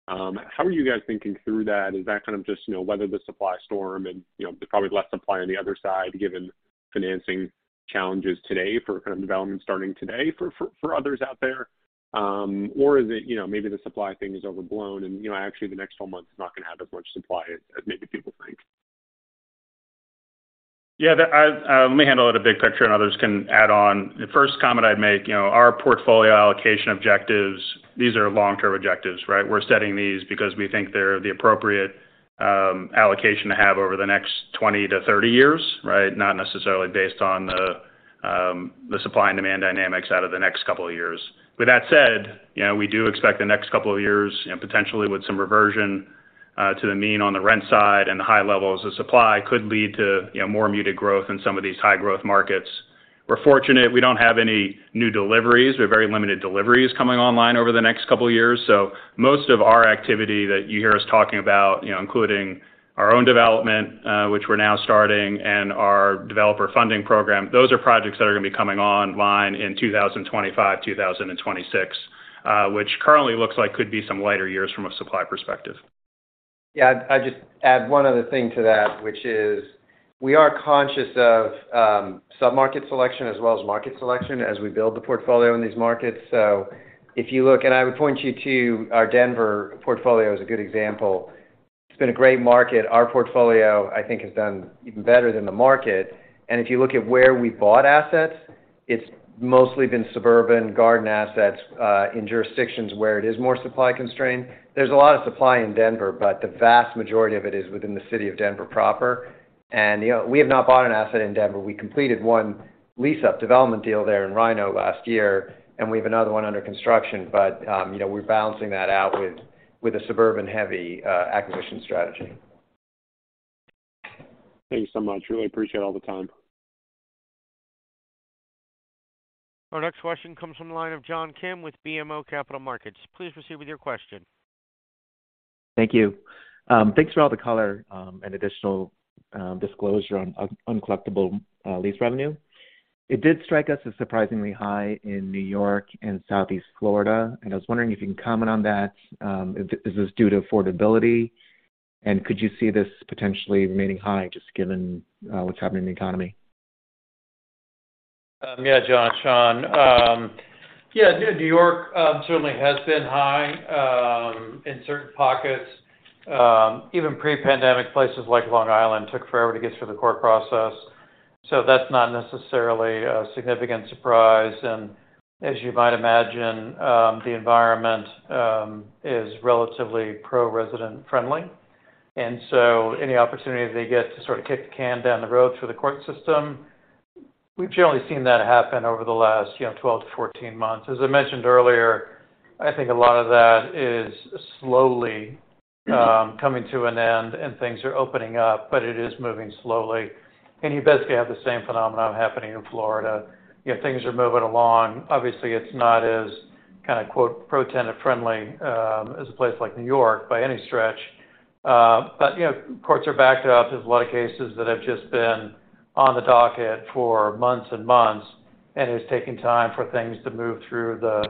How are you guys thinking through that? Is that kind of just, you know, weather the supply storm and, you know, there's probably less supply on the other side given financing challenges today for kind of development starting today for others out there? Is it, you know, maybe the supply thing is overblown and, you know, actually the next 12 months is not gonna have as much supply as maybe people think. Yeah, let me handle it a big picture and others can add on. The first comment I'd make, you know, our portfolio allocation objectives, these are long-term objectives, right? We're setting these because we think they're the appropriate allocation to have over the next 20 to 30 years, right? Not necessarily based on the supply and demand dynamics out of the next couple of years. With that said, you know, we do expect the next couple of years, you know, potentially with some reversion to the mean on the rent side and the high levels of supply could lead to, you know, more muted growth in some of these high-growth markets. We're fortunate we don't have any new deliveries. We have very limited deliveries coming online over the next couple of years. Most of our activity that you hear us talking about, you know, including our own development, which we're now starting, and our Developer Funding Program, those are projects that are gonna be coming online in 2025, 2026, which currently looks like could be some lighter years from a supply perspective. Yeah. I just add one other thing to that, which is we are conscious of submarket selection as well as market selection as we build the portfolio in these markets. If you look, and I would point you to our Denver portfolio is a good example. It's been a great market. Our portfolio, I think, has done even better than the market. If you look at where we bought assets, it's mostly been suburban garden assets in jurisdictions where it is more supply constrained. There's a lot of supply in Denver, but the vast majority of it is within the city of Denver proper. You know, we have not bought an asset in Denver. We completed one lease-up development deal there in RiNo last year, and we have another one under construction. You know, we're balancing that out with a suburban-heavy acquisition strategy. Thank you so much. Really appreciate all the time. Our next question comes from the line of John Kim with BMO Capital Markets. Please proceed with your question. Thank you. Thanks for all the color, and additional disclosure on uncollectible lease revenue. It did strike us as surprisingly high in New York and Southeast Florida, and I was wondering if you can comment on that. Is this due to affordability? Could you see this potentially remaining high just given what's happening in the economy? Yeah, John. Sean. Yeah, New York certainly has been high in certain pockets. Even pre-pandemic places like Long Island took forever to get through the court process, that's not necessarily a significant surprise. As you might imagine, the environment is relatively pro-resident friendly, any opportunity they get to sort of kick the can down the road through the court system, we've generally seen that happen over the last, you know, 12-14 months. As I mentioned earlier, I think a lot of that is slowly coming to an end and things are opening up, but it is moving slowly. You basically have the same phenomenon happening in Florida. You know, things are moving along. Obviously, it's not as kind of quote, "pro-tenant friendly," as a place like New York by any stretch. You know, courts are backed up. There's a lot of cases that have just been on the docket for months and months, and it's taking time for things to move through the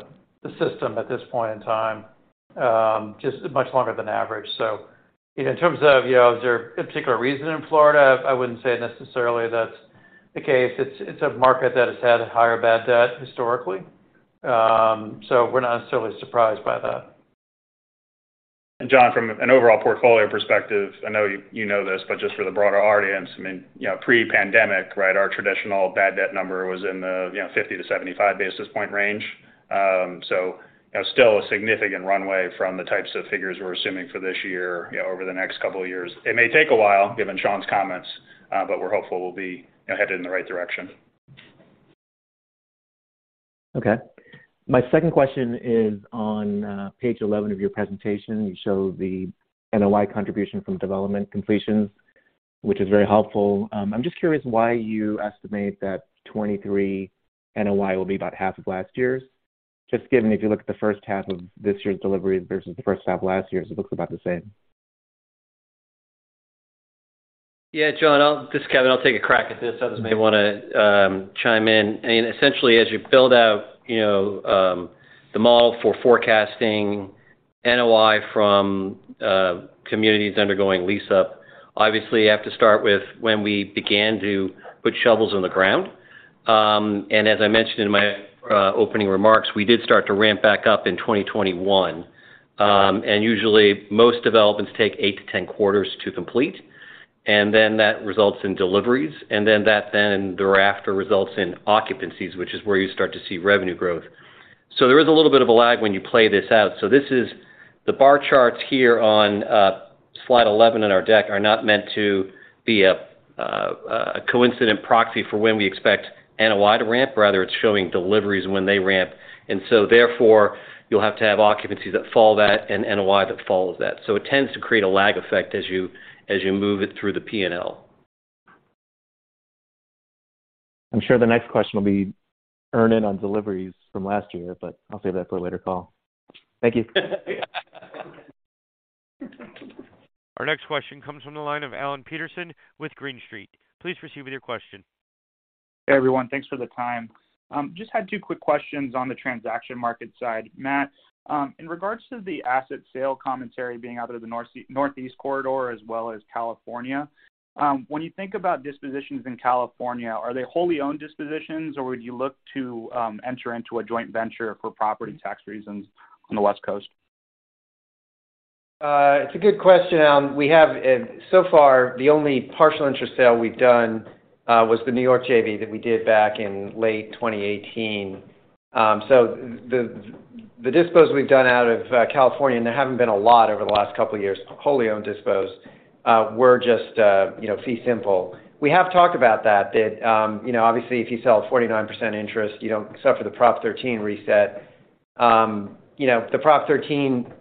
system at this point in time, just much longer than average. In terms of, you know, is there a particular reason in Florida, I wouldn't say necessarily that's the case. It's, it's a market that has had higher bad debt historically. We're not necessarily surprised by that. John, from an overall portfolio perspective, I know you know this, but just for the broader audience, I mean, you know, pre-pandemic, right, our traditional bad debt number was in the, you know, 50-75 basis point range. You know, still a significant runway from the types of figures we're assuming for this year, you know, over the next couple of years. It may take a while, given Sean's comments, but we're hopeful we'll be, you know, headed in the right direction. Okay. My second question is on page 11 of your presentation. You show the NOI contribution from development completions, which is very helpful. I'm just curious why you estimate that 2023 NOI will be about half of last year's. Just given if you look at the first half of this year's delivery versus the first half of last year's, it looks about the same. Yeah, John, this is Kevin. I'll take a crack at this. Others may wanna chime in. Essentially, as you build out, you know, the model for forecasting NOI from communities undergoing lease-up, obviously, you have to start with when we began to put shovels in the ground. As I mentioned in my opening remarks, we did start to ramp back up in 2021. Usually, most developments take 8 to 10 quarters to complete, and then that results in deliveries, and then that then thereafter results in occupancies, which is where you start to see revenue growth. There is a little bit of a lag when you play this out. This is. The bar charts here on slide 11 in our deck are not meant to be a coincident proxy for when we expect NOI to ramp. Rather, it's showing deliveries when they ramp. Therefore, you'll have to have occupancies that follow that and NOI that follows that. It tends to create a lag effect as you, as you move it through the P&L. I'm sure the next question will be earn in on deliveries from last year, but I'll save that for a later call. Thank you. Our next question comes from the line of Alan Peterson with Green Street. Please proceed with your question. Hey, everyone. Thanks for the time. Just had two quick questions on the transaction market side. Matt, in regards to the asset sale commentary being out of the Northeast Corridor as well as California, when you think about dispositions in California, are they wholly owned dispositions, or would you look to enter into a joint venture for property tax reasons on the West Coast? It's a good question, Alan. We have, so far, the only partial interest sale we've done, was the New York JV that we did back in late 2018. The dispos we've done out of California, and there haven't been a lot over the last couple of years, wholly owned dispos, were just, you know, fee simple. We have talked about that, you know, obviously, if you sell 49% interest, you don't suffer the Proposition 13 reset. You know, the Proposition 13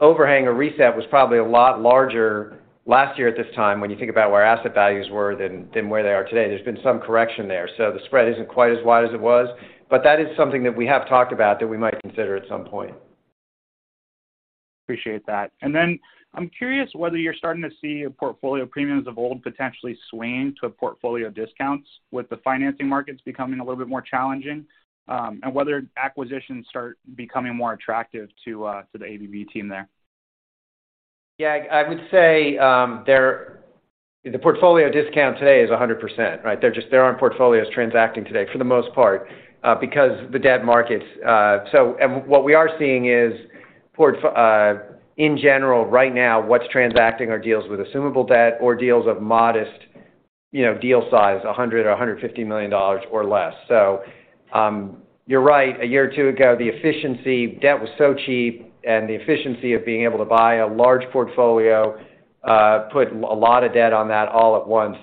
overhang or reset was probably a lot larger last year at this time when you think about where asset values were than where they are today. There's been some correction there. The spread isn't quite as wide as it was, but that is something that we have talked about that we might consider at some point. Appreciate that. I'm curious whether you're starting to see portfolio premiums of old potentially swaying to portfolio discounts with the financing markets becoming a little bit more challenging, and whether acquisitions start becoming more attractive to the AVB team there? Yeah. I would say, the portfolio discount today is 100%, right? There aren't portfolios transacting today for the most part, because the debt markets. What we are seeing is in general, right now, what's transacting are deals with assumable debt or deals of modest, you know, deal size, 100 or $150 million or less. You're right. A year or two ago, the efficiency... Debt was so cheap, and the efficiency of being able to buy a large portfolio, put a lot of debt on that all at once,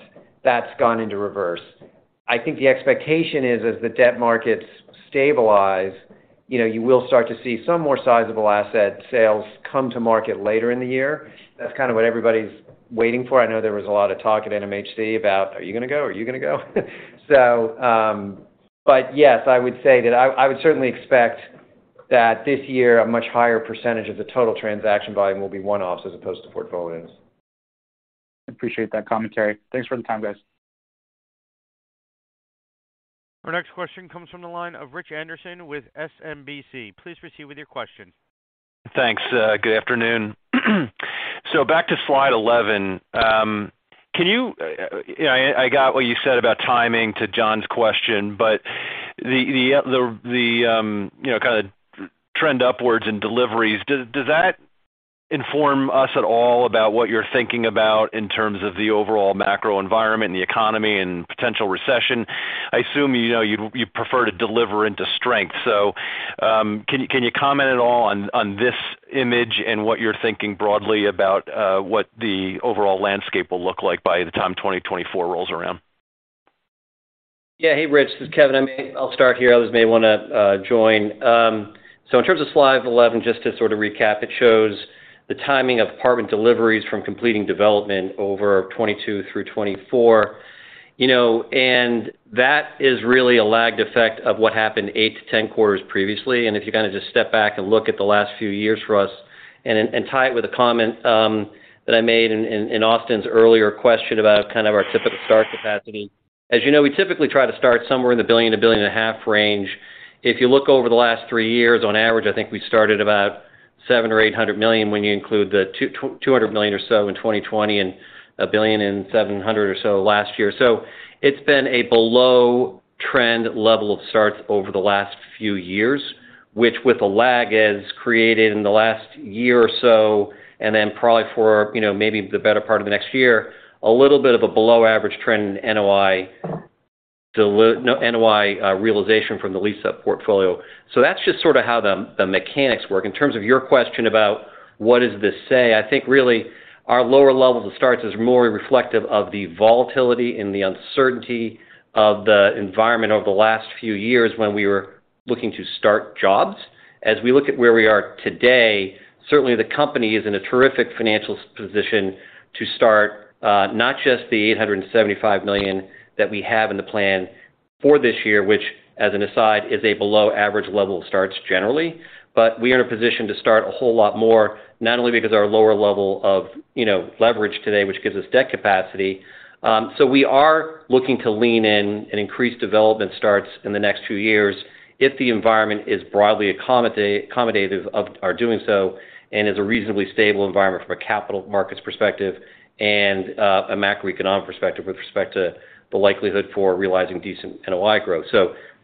that's gone into reverse. I think the expectation is as the debt markets stabilize, you know, you will start to see some more sizable asset sales come to market later in the year. That's kind of what everybody's waiting for. I know there was a lot of talk at NMHC about, "Are you gonna go? Are you gonna go?" Yes, I would say that I would certainly expect that this year a much higher % of the total transaction volume will be one-offs as opposed to portfolios. Appreciate that commentary. Thanks for the time, guys. Our next question comes from the line of Rich Anderson with SMBC. Please proceed with your question. Thanks. Good afternoon. Back to slide 11. Can you know, I got what you said about timing to John's question, but the, you know, kind of trend upwards in deliveries, does that inform us at all about what you're thinking about in terms of the overall macro environment and the economy and potential recession? I assume, you know, you'd prefer to deliver into strength. Can you comment at all on this image and what you're thinking broadly about what the overall landscape will look like by the time 2024 rolls around? Yeah. Hey, Rich, this is Kevin. I'll start here. Others may wanna join. In terms of slide 11, just to sort of recap, it shows the timing of apartment deliveries from completing development over 2022 through 2024. You know, that is really a lagged effect of what happened 8 to 10 quarters previously. If you kind of just step back and look at the last few years for us and tie it with a comment, that I made in Austin's earlier question about kind of our typical start capacity. As you know, we typically try to start somewhere in the $1 billion billion and a half range. If you look over the last three years, on average, I think we started about $700 million or $800 million when you include the $200 million or so in 2020 and $1.7 billion or so last year. It's been a below trend level of starts over the last few years, which with a lag has created in the last year or so, and then probably for, you know, maybe the better part of the next year, a little bit of a below average trend in NOI realization from the lease-up portfolio. That's just sort of how the mechanics work. In terms of your question about what does this say, I think really our lower levels of starts is more reflective of the volatility and the uncertainty of the environment over the last few years when we were looking to start jobs. As we look at where we are today, certainly the company is in a terrific financial position to start, not just the $875 million that we have in the plan for this year, which, as an aside, is a below average level of starts generally. We are in a position to start a whole lot more, not only because our lower level of, you know, leverage today, which gives us debt capacity. We are looking to lean in and increase development starts in the next few years if the environment is broadly accommodative of our doing so, and is a reasonably stable environment from a capital markets perspective and a macroeconomic perspective with respect to the likelihood for realizing decent NOI growth.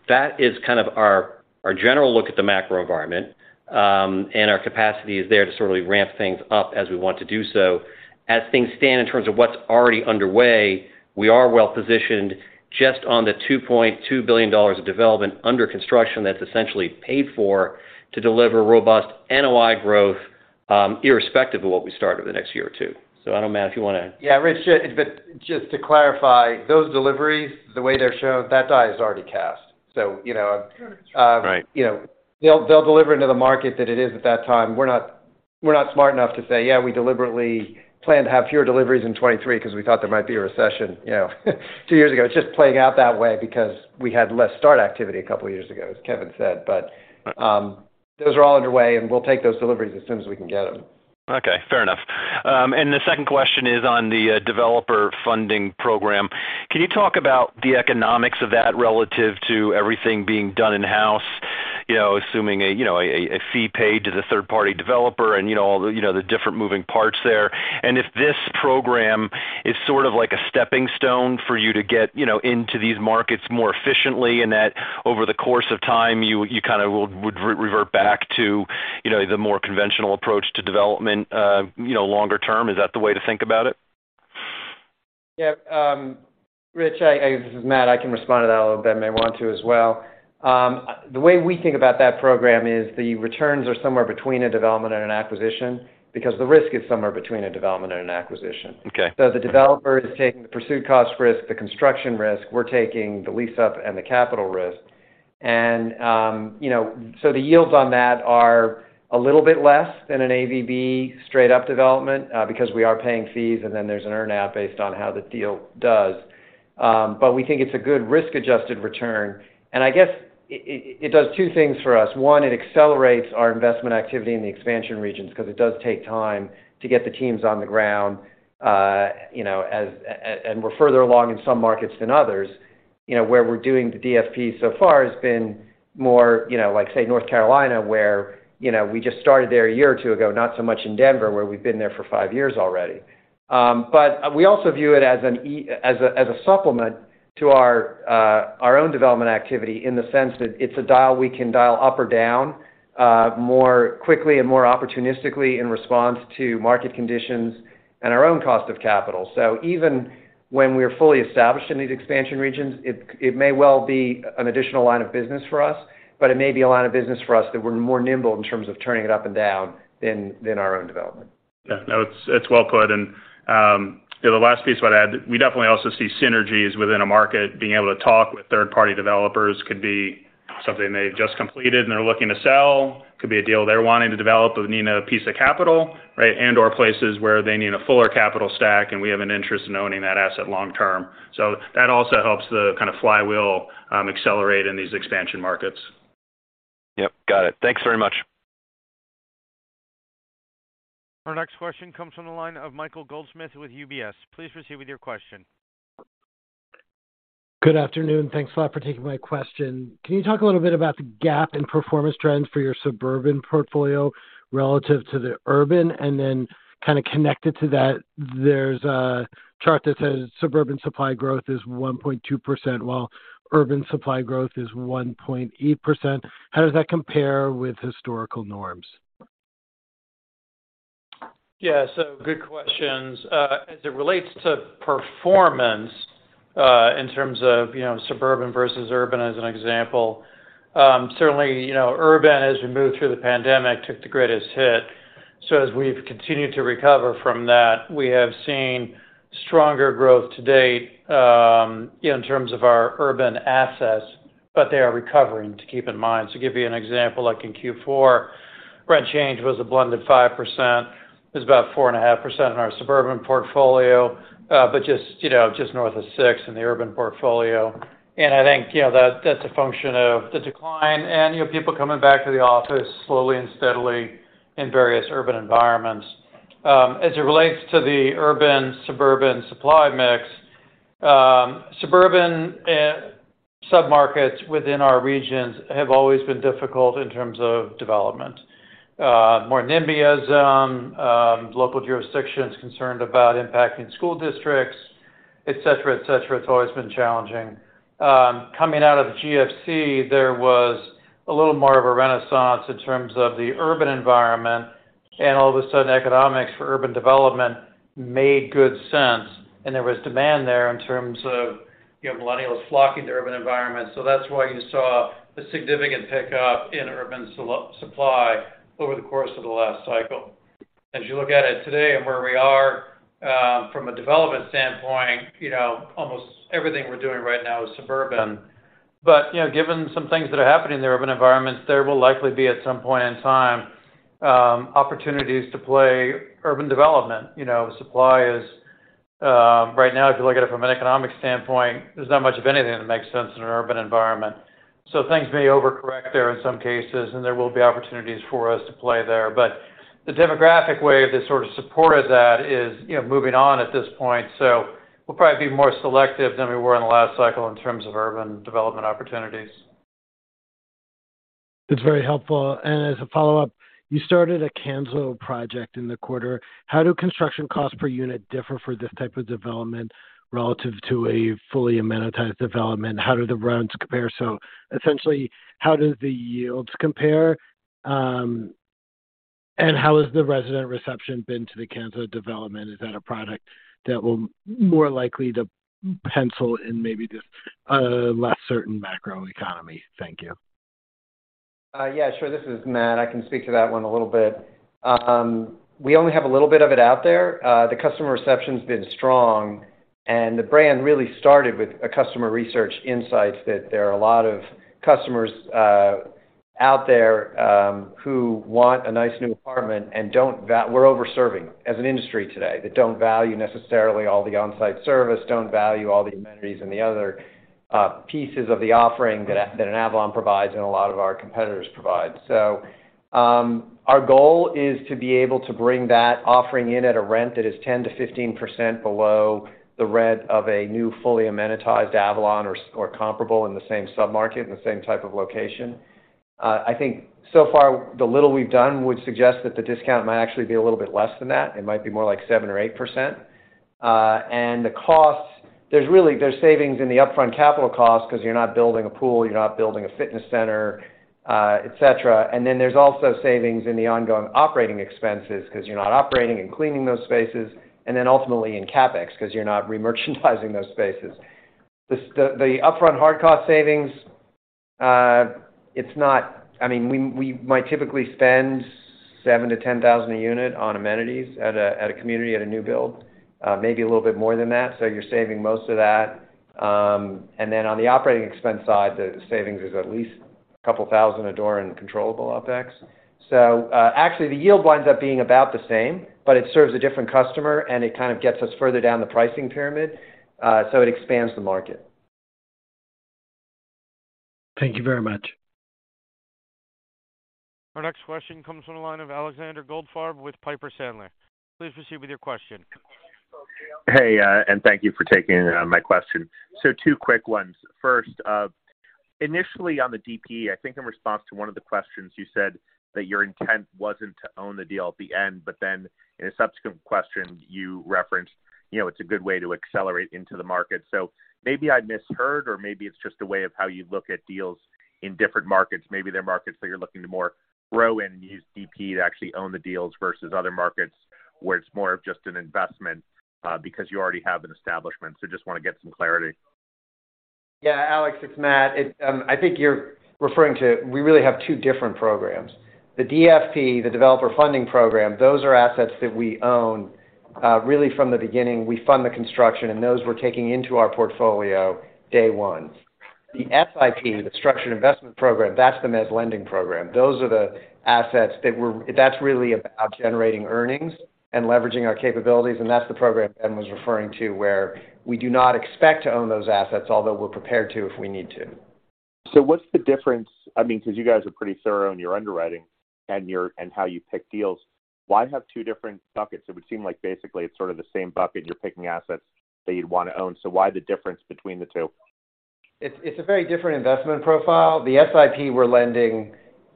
That is kind of our general look at the macro environment, and our capacity is there to sort of ramp things up as we want to do so. As things stand in terms of what's already underway, we are well-positioned just on the $2.2 billion of development under construction that's essentially paid for to deliver robust NOI growth, irrespective of what we start over the next year or two. I don't know, Matt, if you wanna. Yeah, Rich, but just to clarify, those deliveries, the way they're shown, that die is already cast. you know, Right... you know, they'll deliver into the market that it is at that time. We're not, we're not smart enough to say, "Yeah, we deliberately plan to have fewer deliveries in 2023 because we thought there might be a recession," you know, two years ago. It's just playing out that way because we had less start activity a couple of years ago, as Kevin said. Those are all underway, and we'll take those deliveries as soon as we can get them. Okay, fair enough. The second question is on the Developer Funding Program. Can you talk about the economics of that relative to everything being done in-house? You know, assuming a, you know, a fee paid to the third-party developer and, you know, all the, you know, the different moving parts there. If this program is sort of like a stepping stone for you to get, you know, into these markets more efficiently, and that over the course of time, you kind of would revert back to, you know, the more conventional approach to development, you know, longer term. Is that the way to think about it? Yeah. Rich, this is Matt, I can respond to that a little bit. Ben may want to as well. The way we think about that program is the returns are somewhere between a development and an acquisition because the risk is somewhere between a development and an acquisition. Okay. The developer is taking the pursuit cost risk, the construction risk. We're taking the lease-up and the capital risk. you know, the yields on that are a little bit less than an AVB straight up development because we are paying fees, and then there's an earn-out based on how the deal does. We think it's a good risk-adjusted return. I guess it does two things for us. One, it accelerates our investment activity in the expansion regions because it does take time to get the teams on the ground, you know, and we're further along in some markets than others. You know, where we're doing the DFP so far has been more, you know, like, say, North Carolina, where, you know, we just started there a year or two ago, not so much in Denver, where we've been there for five years already. We also view it as a supplement to our own development activity in the sense that it's a dial we can dial up or down more quickly and more opportunistically in response to market conditions and our own cost of capital. Even when we're fully established in these expansion regions, it may well be an additional line of business for us, but it may be a line of business for us that we're more nimble in terms of turning it up and down than our own development. Yeah. No, it's well put. You know, the last piece I'd add, we definitely also see synergies within a market. Being able to talk with third-party developers could be something they've just completed and they're looking to sell, could be a deal they're wanting to develop but need a piece of capital, right? And/or places where they need a fuller capital stack, and we have an interest in owning that asset long term. That also helps the kind of flywheel accelerate in these expansion markets. Yep, got it. Thanks very much. Our next question comes from the line of Michael Goldsmith with UBS. Please proceed with your question. Good afternoon. Thanks a lot for taking my question. Can you talk a little bit about the gap in performance trends for your suburban portfolio relative to the urban? Kind of connected to that, there's a chart that says suburban supply growth is 1.2%, while urban supply growth is 1.8%. How does that compare with historical norms? Good questions. As it relates to performance, in terms of, you know, suburban versus urban as an example, certainly, you know, urban, as we moved through the pandemic, took the greatest hit. As we've continued to recover from that, we have seen stronger growth to date, in terms of our urban assets, but they are recovering to keep in mind. To give you an example, like in Q4, rent change was a blended 5%. It's about 4.5% in our suburban portfolio, but just, you know, just north of 6% in the urban portfolio. I think, you know, that's a function of the decline and, you know, people coming back to the office slowly and steadily in various urban environments. As it relates to the urban, suburban supply mix, suburban submarkets within our regions have always been difficult in terms of development. More NIMBYism, local jurisdictions concerned about impacting school districts, et cetera, et cetera. It's always been challenging. Coming out of the GFC, there was a little more of a renaissance in terms of the urban environment. All of a sudden, economics for urban development made good sense. There was demand there in terms of, you know, millennials flocking to urban environments. That's why you saw a significant pickup in urban supply over the course of the last cycle. As you look at it today and where we are, from a development standpoint, you know, almost everything we're doing right now is suburban. You know, given some things that are happening in the urban environments, there will likely be at some point in time, opportunities to play urban development. You know, supply is, right now, if you look at it from an economic standpoint, there's not much of anything that makes sense in an urban environment. Things may over-correct there in some cases, and there will be opportunities for us to play there. The demographic wave that sort of supported that is, you know, moving on at this point. We'll probably be more selective than we were in the last cycle in terms of urban development opportunities. It's very helpful. As a follow-up, you started a Kanso project in the quarter. How do construction costs per unit differ for this type of development relative to a fully amenitized development? How do the rents compare? Essentially, how does the yields compare? How has the resident reception been to the Kanso development? Is that a product that will more likely to pencil in maybe this less certain macro economy? Thank you. Yeah, sure. This is Matt. I can speak to that one a little bit. We only have a little bit of it out there. The customer reception's been strong, and the brand really started with a customer research insights that there are a lot of customers out there who want a nice new apartment and we're over-serving as an industry today. They don't value necessarily all the on-site service, don't value all the amenities and the other pieces of the offering that an Avalon provides and a lot of our competitors provide. Our goal is to be able to bring that offering in at a rent that is 10%-15% below the rent of a new, fully amenitized Avalon or comparable in the same sub-market, in the same type of location. I think so far, the little we've done would suggest that the discount might actually be a little bit less than that. It might be more like 7% or 8%. The costs, there's savings in the upfront capital cost 'cause you're not building a pool, you're not building a fitness center, et cetera. And then there's also savings in the ongoing operating expenses 'cause you're not operating and cleaning those spaces, and then ultimately in CapEx 'cause you're not remerchandising those spaces. The upfront hard cost savings, it's not... I mean, we might typically spend $7,000-$10,000 a unit on amenities at a, at a community, at a new build, maybe a little bit more than that. You're saving most of that. On the operating expense side, the savings is at least a couple of thousand a door in controllable OpEx. Actually, the yield winds up being about the same, but it serves a different customer, and it kind of gets us further down the pricing pyramid, so it expands the market. Thank you very much. Our next question comes from the line of Alexander Goldfarb with Piper Sandler. Please proceed with your question. Hey, and thank you for taking my question. Two quick ones. First, initially on the DFP, I think in response to one of the questions, you said that your intent wasn't to own the deal at the end, but in a subsequent question you referenced, you know, it's a good way to accelerate into the market. Maybe I misheard, or maybe it's just a way of how you look at deals in different markets. Maybe they're markets that you're looking to more grow in and use DPE to actually own the deals versus other markets where it's more of just an investment, because you already have an establishment. Just wanna get some clarity. Yeah. Alex, it's Matt. I think you're referring to, we really have two different programs. The DFP, the Developer Funding Program, those are assets that we own, really from the beginning. We fund the construction. Those we're taking into our portfolio day one. The SIP, the Structured Investment Program, that's the mezz lending program. Those are the assets that's really about generating earnings and leveraging our capabilities. That's the program Ben was referring to, where we do not expect to own those assets, although we're prepared to if we need to. What's the difference? I mean, 'cause you guys are pretty thorough in your underwriting and how you pick deals. Why have two different buckets? It would seem like basically it's sort of the same bucket, you're picking assets that you'd wanna own. Why the difference between the two? It's a very different investment profile. The SIP we're lending,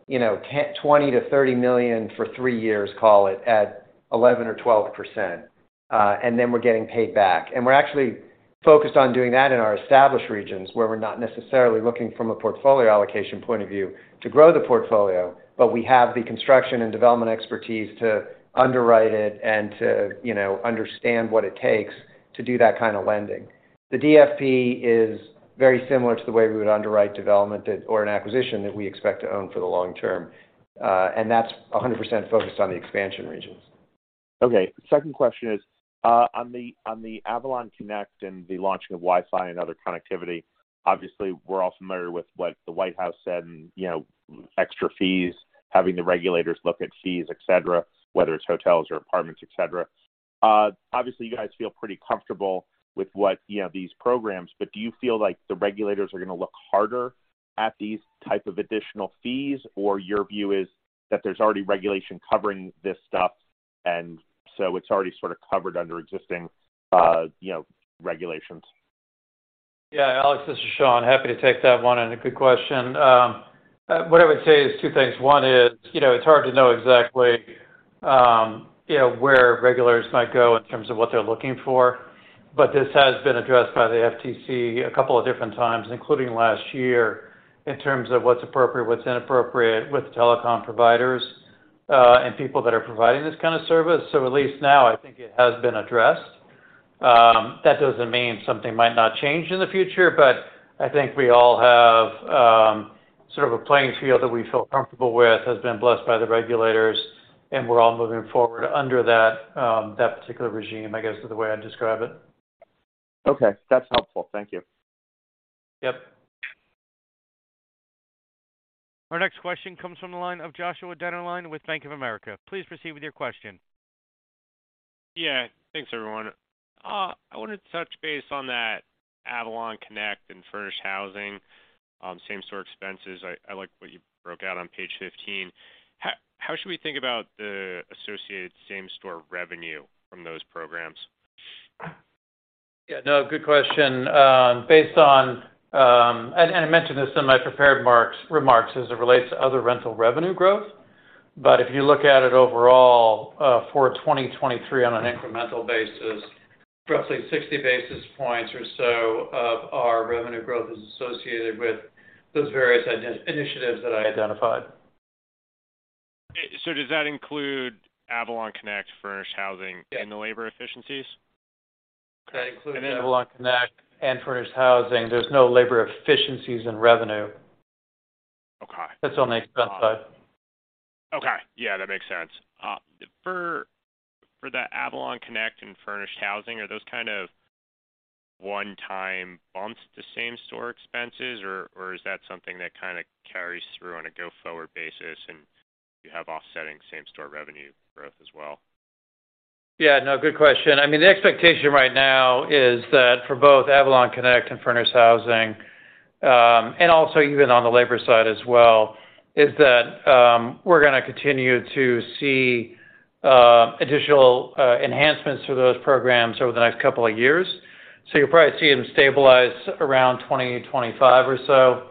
you know, $20 million-$30 million for three years, call it, at 11% or 12%, and then we're getting paid back. We're actually focused on doing that in our established regions, where we're not necessarily looking from a portfolio allocation point of view to grow the portfolio, but we have the construction and development expertise to underwrite it and to, you know, understand what it takes to do that kind of lending. The DFP is very similar to the way we would underwrite development that or an acquisition that we expect to own for the long term. That's 100% focused on the expansion regions. Okay. Second question is, on the, on the Avalon Connect and the launching of Wi-Fi and other connectivity, obviously, we're all familiar with what the White House said and, you know, extra fees, having the regulators look at fees, et cetera, whether it's hotels or apartments, et cetera. Obviously, you guys feel pretty comfortable with what, you know, these programs, but do you feel like the regulators are gonna look harder at these type of additional fees? Or your view is that there's already regulation covering this stuff, and so it's already sort of covered under existing, you know, regulations? Yeah. Alex, this is Sean. Happy to take that one, and a good question. What I would say is two things. One is, you know, it's hard to know exactly, you know, where regulators might go in terms of what they're looking for, but this has been addressed by the FTC a couple of different times, including last year, in terms of what's appropriate, what's inappropriate with telecom providers, and people that are providing this kind of service. At least now I think it has been addressed. That doesn't mean something might not change in the future, but I think we all have, sort of a playing field that we feel comfortable with, has been blessed by the regulators, and we're all moving forward under that particular regime, I guess, is the way I'd describe it. Okay. That's helpful. Thank you. Yep. Our next question comes from the line of Joshua Dennerlein with Bank of America. Please proceed with your question. Thanks, everyone. I wanted to touch base on that Avalon Connect and Furnished Housing, same-store expenses. I liked what you broke out on page 15. How should we think about the associated same-store revenue from those programs? Yeah. No, good question. Based on, I mentioned this in my prepared remarks as it relates to other rental revenue growth. If you look at it overall, for 2023 on an incremental basis, roughly 60 basis points or so of our revenue growth is associated with those various initiatives that I identified. Does that include Avalon Connect, Furnished Housing...? Yeah. The labor efficiencies? That includes Avalon Connect and Furnished Housing. There's no labor efficiencies in revenue. Okay. That's on the expense side. Okay. Yeah, that makes sense. For that Avalon Connect and Furnished Housing, are those kind of one-time bumps to same-store expenses or is that something that kinda carries through on a go-forward basis and you have offsetting same-store revenue growth as well? Yeah. No, good question. I mean, the expectation right now is that for both Avalon Connect and Furnished Housing, and also even on the labor side as well, is that we're gonna continue to see additional enhancements to those programs over the next couple of years. You'll probably see them stabilize around 2025 or so.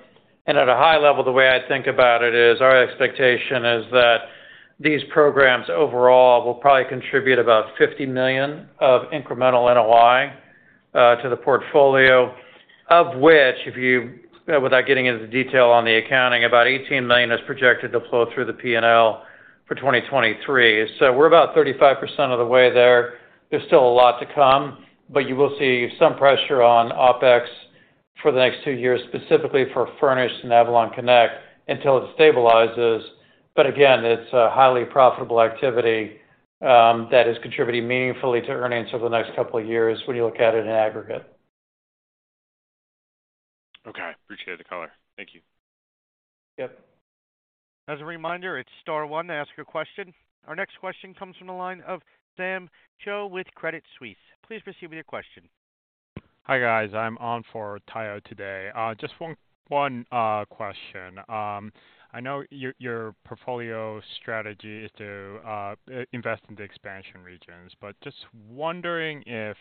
At a high level, the way I think about it is our expectation is that these programs overall will probably contribute about $50 million of incremental NOI to the portfolio, of which, without getting into the detail on the accounting, about $18 million is projected to flow through the P&L for 2023. We're about 35% of the way there. There's still a lot to come, you will see some pressure on OpEx for the next two years, specifically for furnished and Avalon Connect, until it stabilizes. Again, it's a highly profitable activity that is contributing meaningfully to earnings over the next couple of years when you look at it in aggregate. Okay. Appreciate the color. Thank you. Yep. As a reminder, it's star one to ask your question. Our next question comes from the line of Sam Choe with Credit Suisse. Please proceed with your question. Hi, guys. I'm on for Tayo today. Just one question. I know your portfolio strategy is to invest in the expansion regions, but just wondering if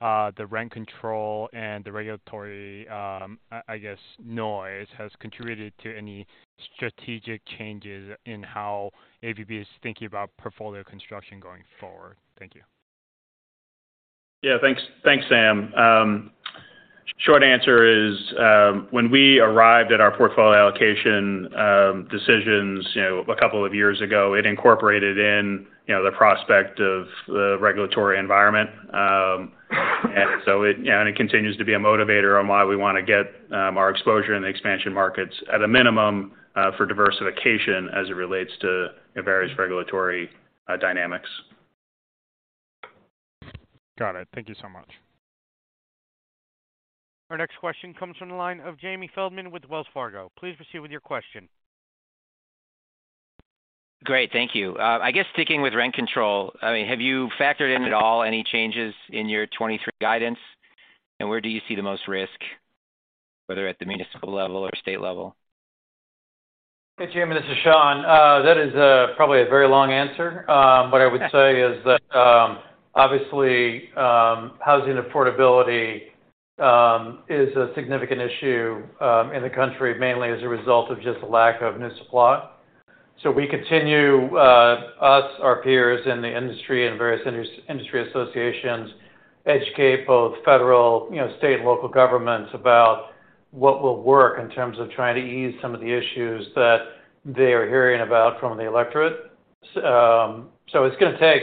the rent control and the regulatory, I guess, noise has contributed to any strategic changes in how AVB is thinking about portfolio construction going forward? Thank you. Yeah. Thanks, thanks, Sam. Short answer is, when we arrived at our portfolio allocation decisions, you know, a couple of years ago, it incorporated in, you know, the prospect of the regulatory environment. It continues to be a motivator on why we wanna get our exposure in the expansion markets at a minimum for diversification as it relates to the various regulatory dynamics. Got it. Thank you so much. Our next question comes from the line of Jamie Feldman with Wells Fargo. Please proceed with your question. Great. Thank you. I guess sticking with rent control, I mean, have you factored in at all any changes in your 23 guidance? Where do you see the most risk, whether at the municipal level or state level? Hey, Jamie, this is Sean. That is, probably a very long answer. What I would say is that, obviously, housing affordability, is a significant issue, in the country, mainly as a result of just a lack of new supply. We continue, us, our peers in the industry and various industry associations, educate both federal, you know, state and local governments about what will work in terms of trying to ease some of the issues that they are hearing about from the electorate. It's gonna take,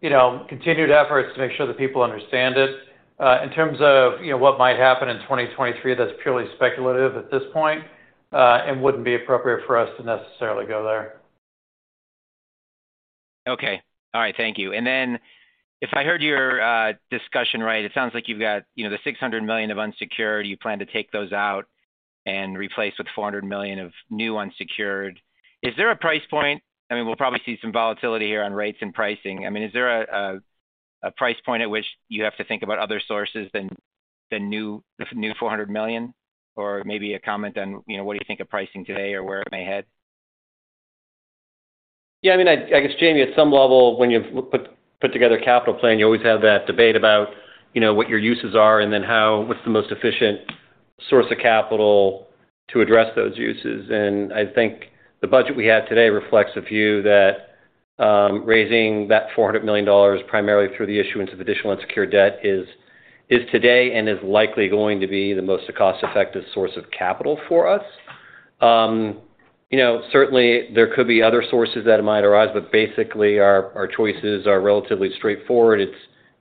you know, continued efforts to make sure that people understand it. In terms of, you know, what might happen in 2023, that's purely speculative at this point, and wouldn't be appropriate for us to necessarily go there. Okay. All right. Thank you. If I heard your discussion right, it sounds like you've got, you know, the $600 million of unsecured, you plan to take those out and replace with $400 million of new unsecured. Is there a price point? I mean, we'll probably see some volatility here on rates and pricing. I mean, is there a price point at which you have to think about other sources than new $400 million? Or maybe a comment on, you know, what do you think of pricing today or where it may head? I mean, I guess, Jamie, at some level, when you put together a capital plan, you always have that debate about, you know, what your uses are and then what's the most efficient source of capital to address those uses. I think the budget we have today reflects a view that raising that $400 million primarily through the issuance of additional unsecured debt is today and is likely going to be the most cost-effective source of capital for us. you know, certainly there could be other sources that might arise, but basically our choices are relatively straightforward.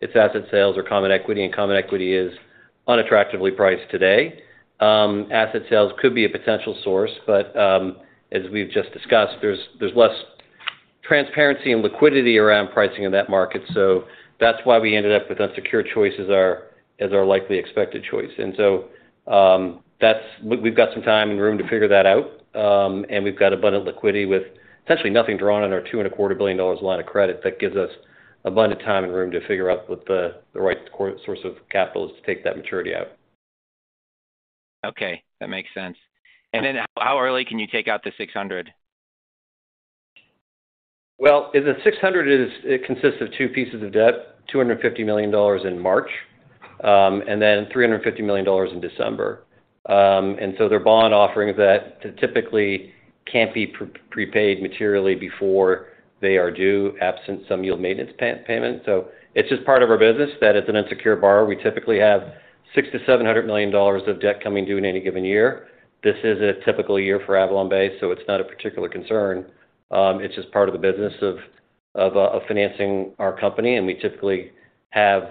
It's asset sales or common equity, and common equity is unattractively priced today. asset sales could be a potential source, but as we've just discussed, there's less transparency and liquidity around pricing in that market. That's why we ended up with unsecured choice as our likely expected choice. That's we've got some time and room to figure that out. We've got abundant liquidity with essentially nothing drawn on our $2.25 billion line of credit. That gives us abundant time and room to figure out what the right source of capital is to take that maturity out. Okay, that makes sense. Then how early can you take out the $600? The 600 consists of two pieces of debt, $250 million in March, and then $350 million in December. They're bond offerings that typically can't be prepaid materially before they are due, absent some yield maintenance payment. It's just part of our business that as an unsecured borrower, we typically have $600 million-$700 million of debt coming due in any given year. This is a typical year for AvalonBay, so it's not a particular concern. It's just part of the business of financing our company. We typically have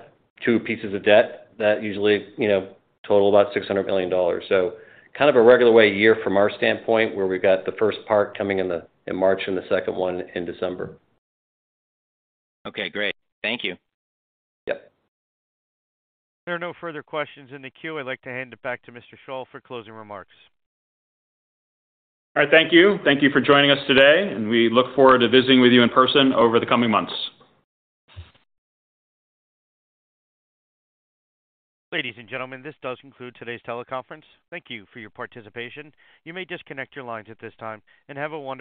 two pieces of de bt that usually, you know, total about $600 million. Kind of a regular way year from our standpoint, where we've got the first part coming in the, in March and the second one in December. Okay, great. Thank you. Yep. There are no further questions in the queue. I'd like to hand it back to Mr. Schall for closing remarks. All right. Thank you. Thank you for joining us today, and we look forward to visiting with you in person over the coming months. Ladies and gentlemen, this does conclude today's teleconference. Thank you for your participation. You may disconnect your lines at this time and have a wonderful day.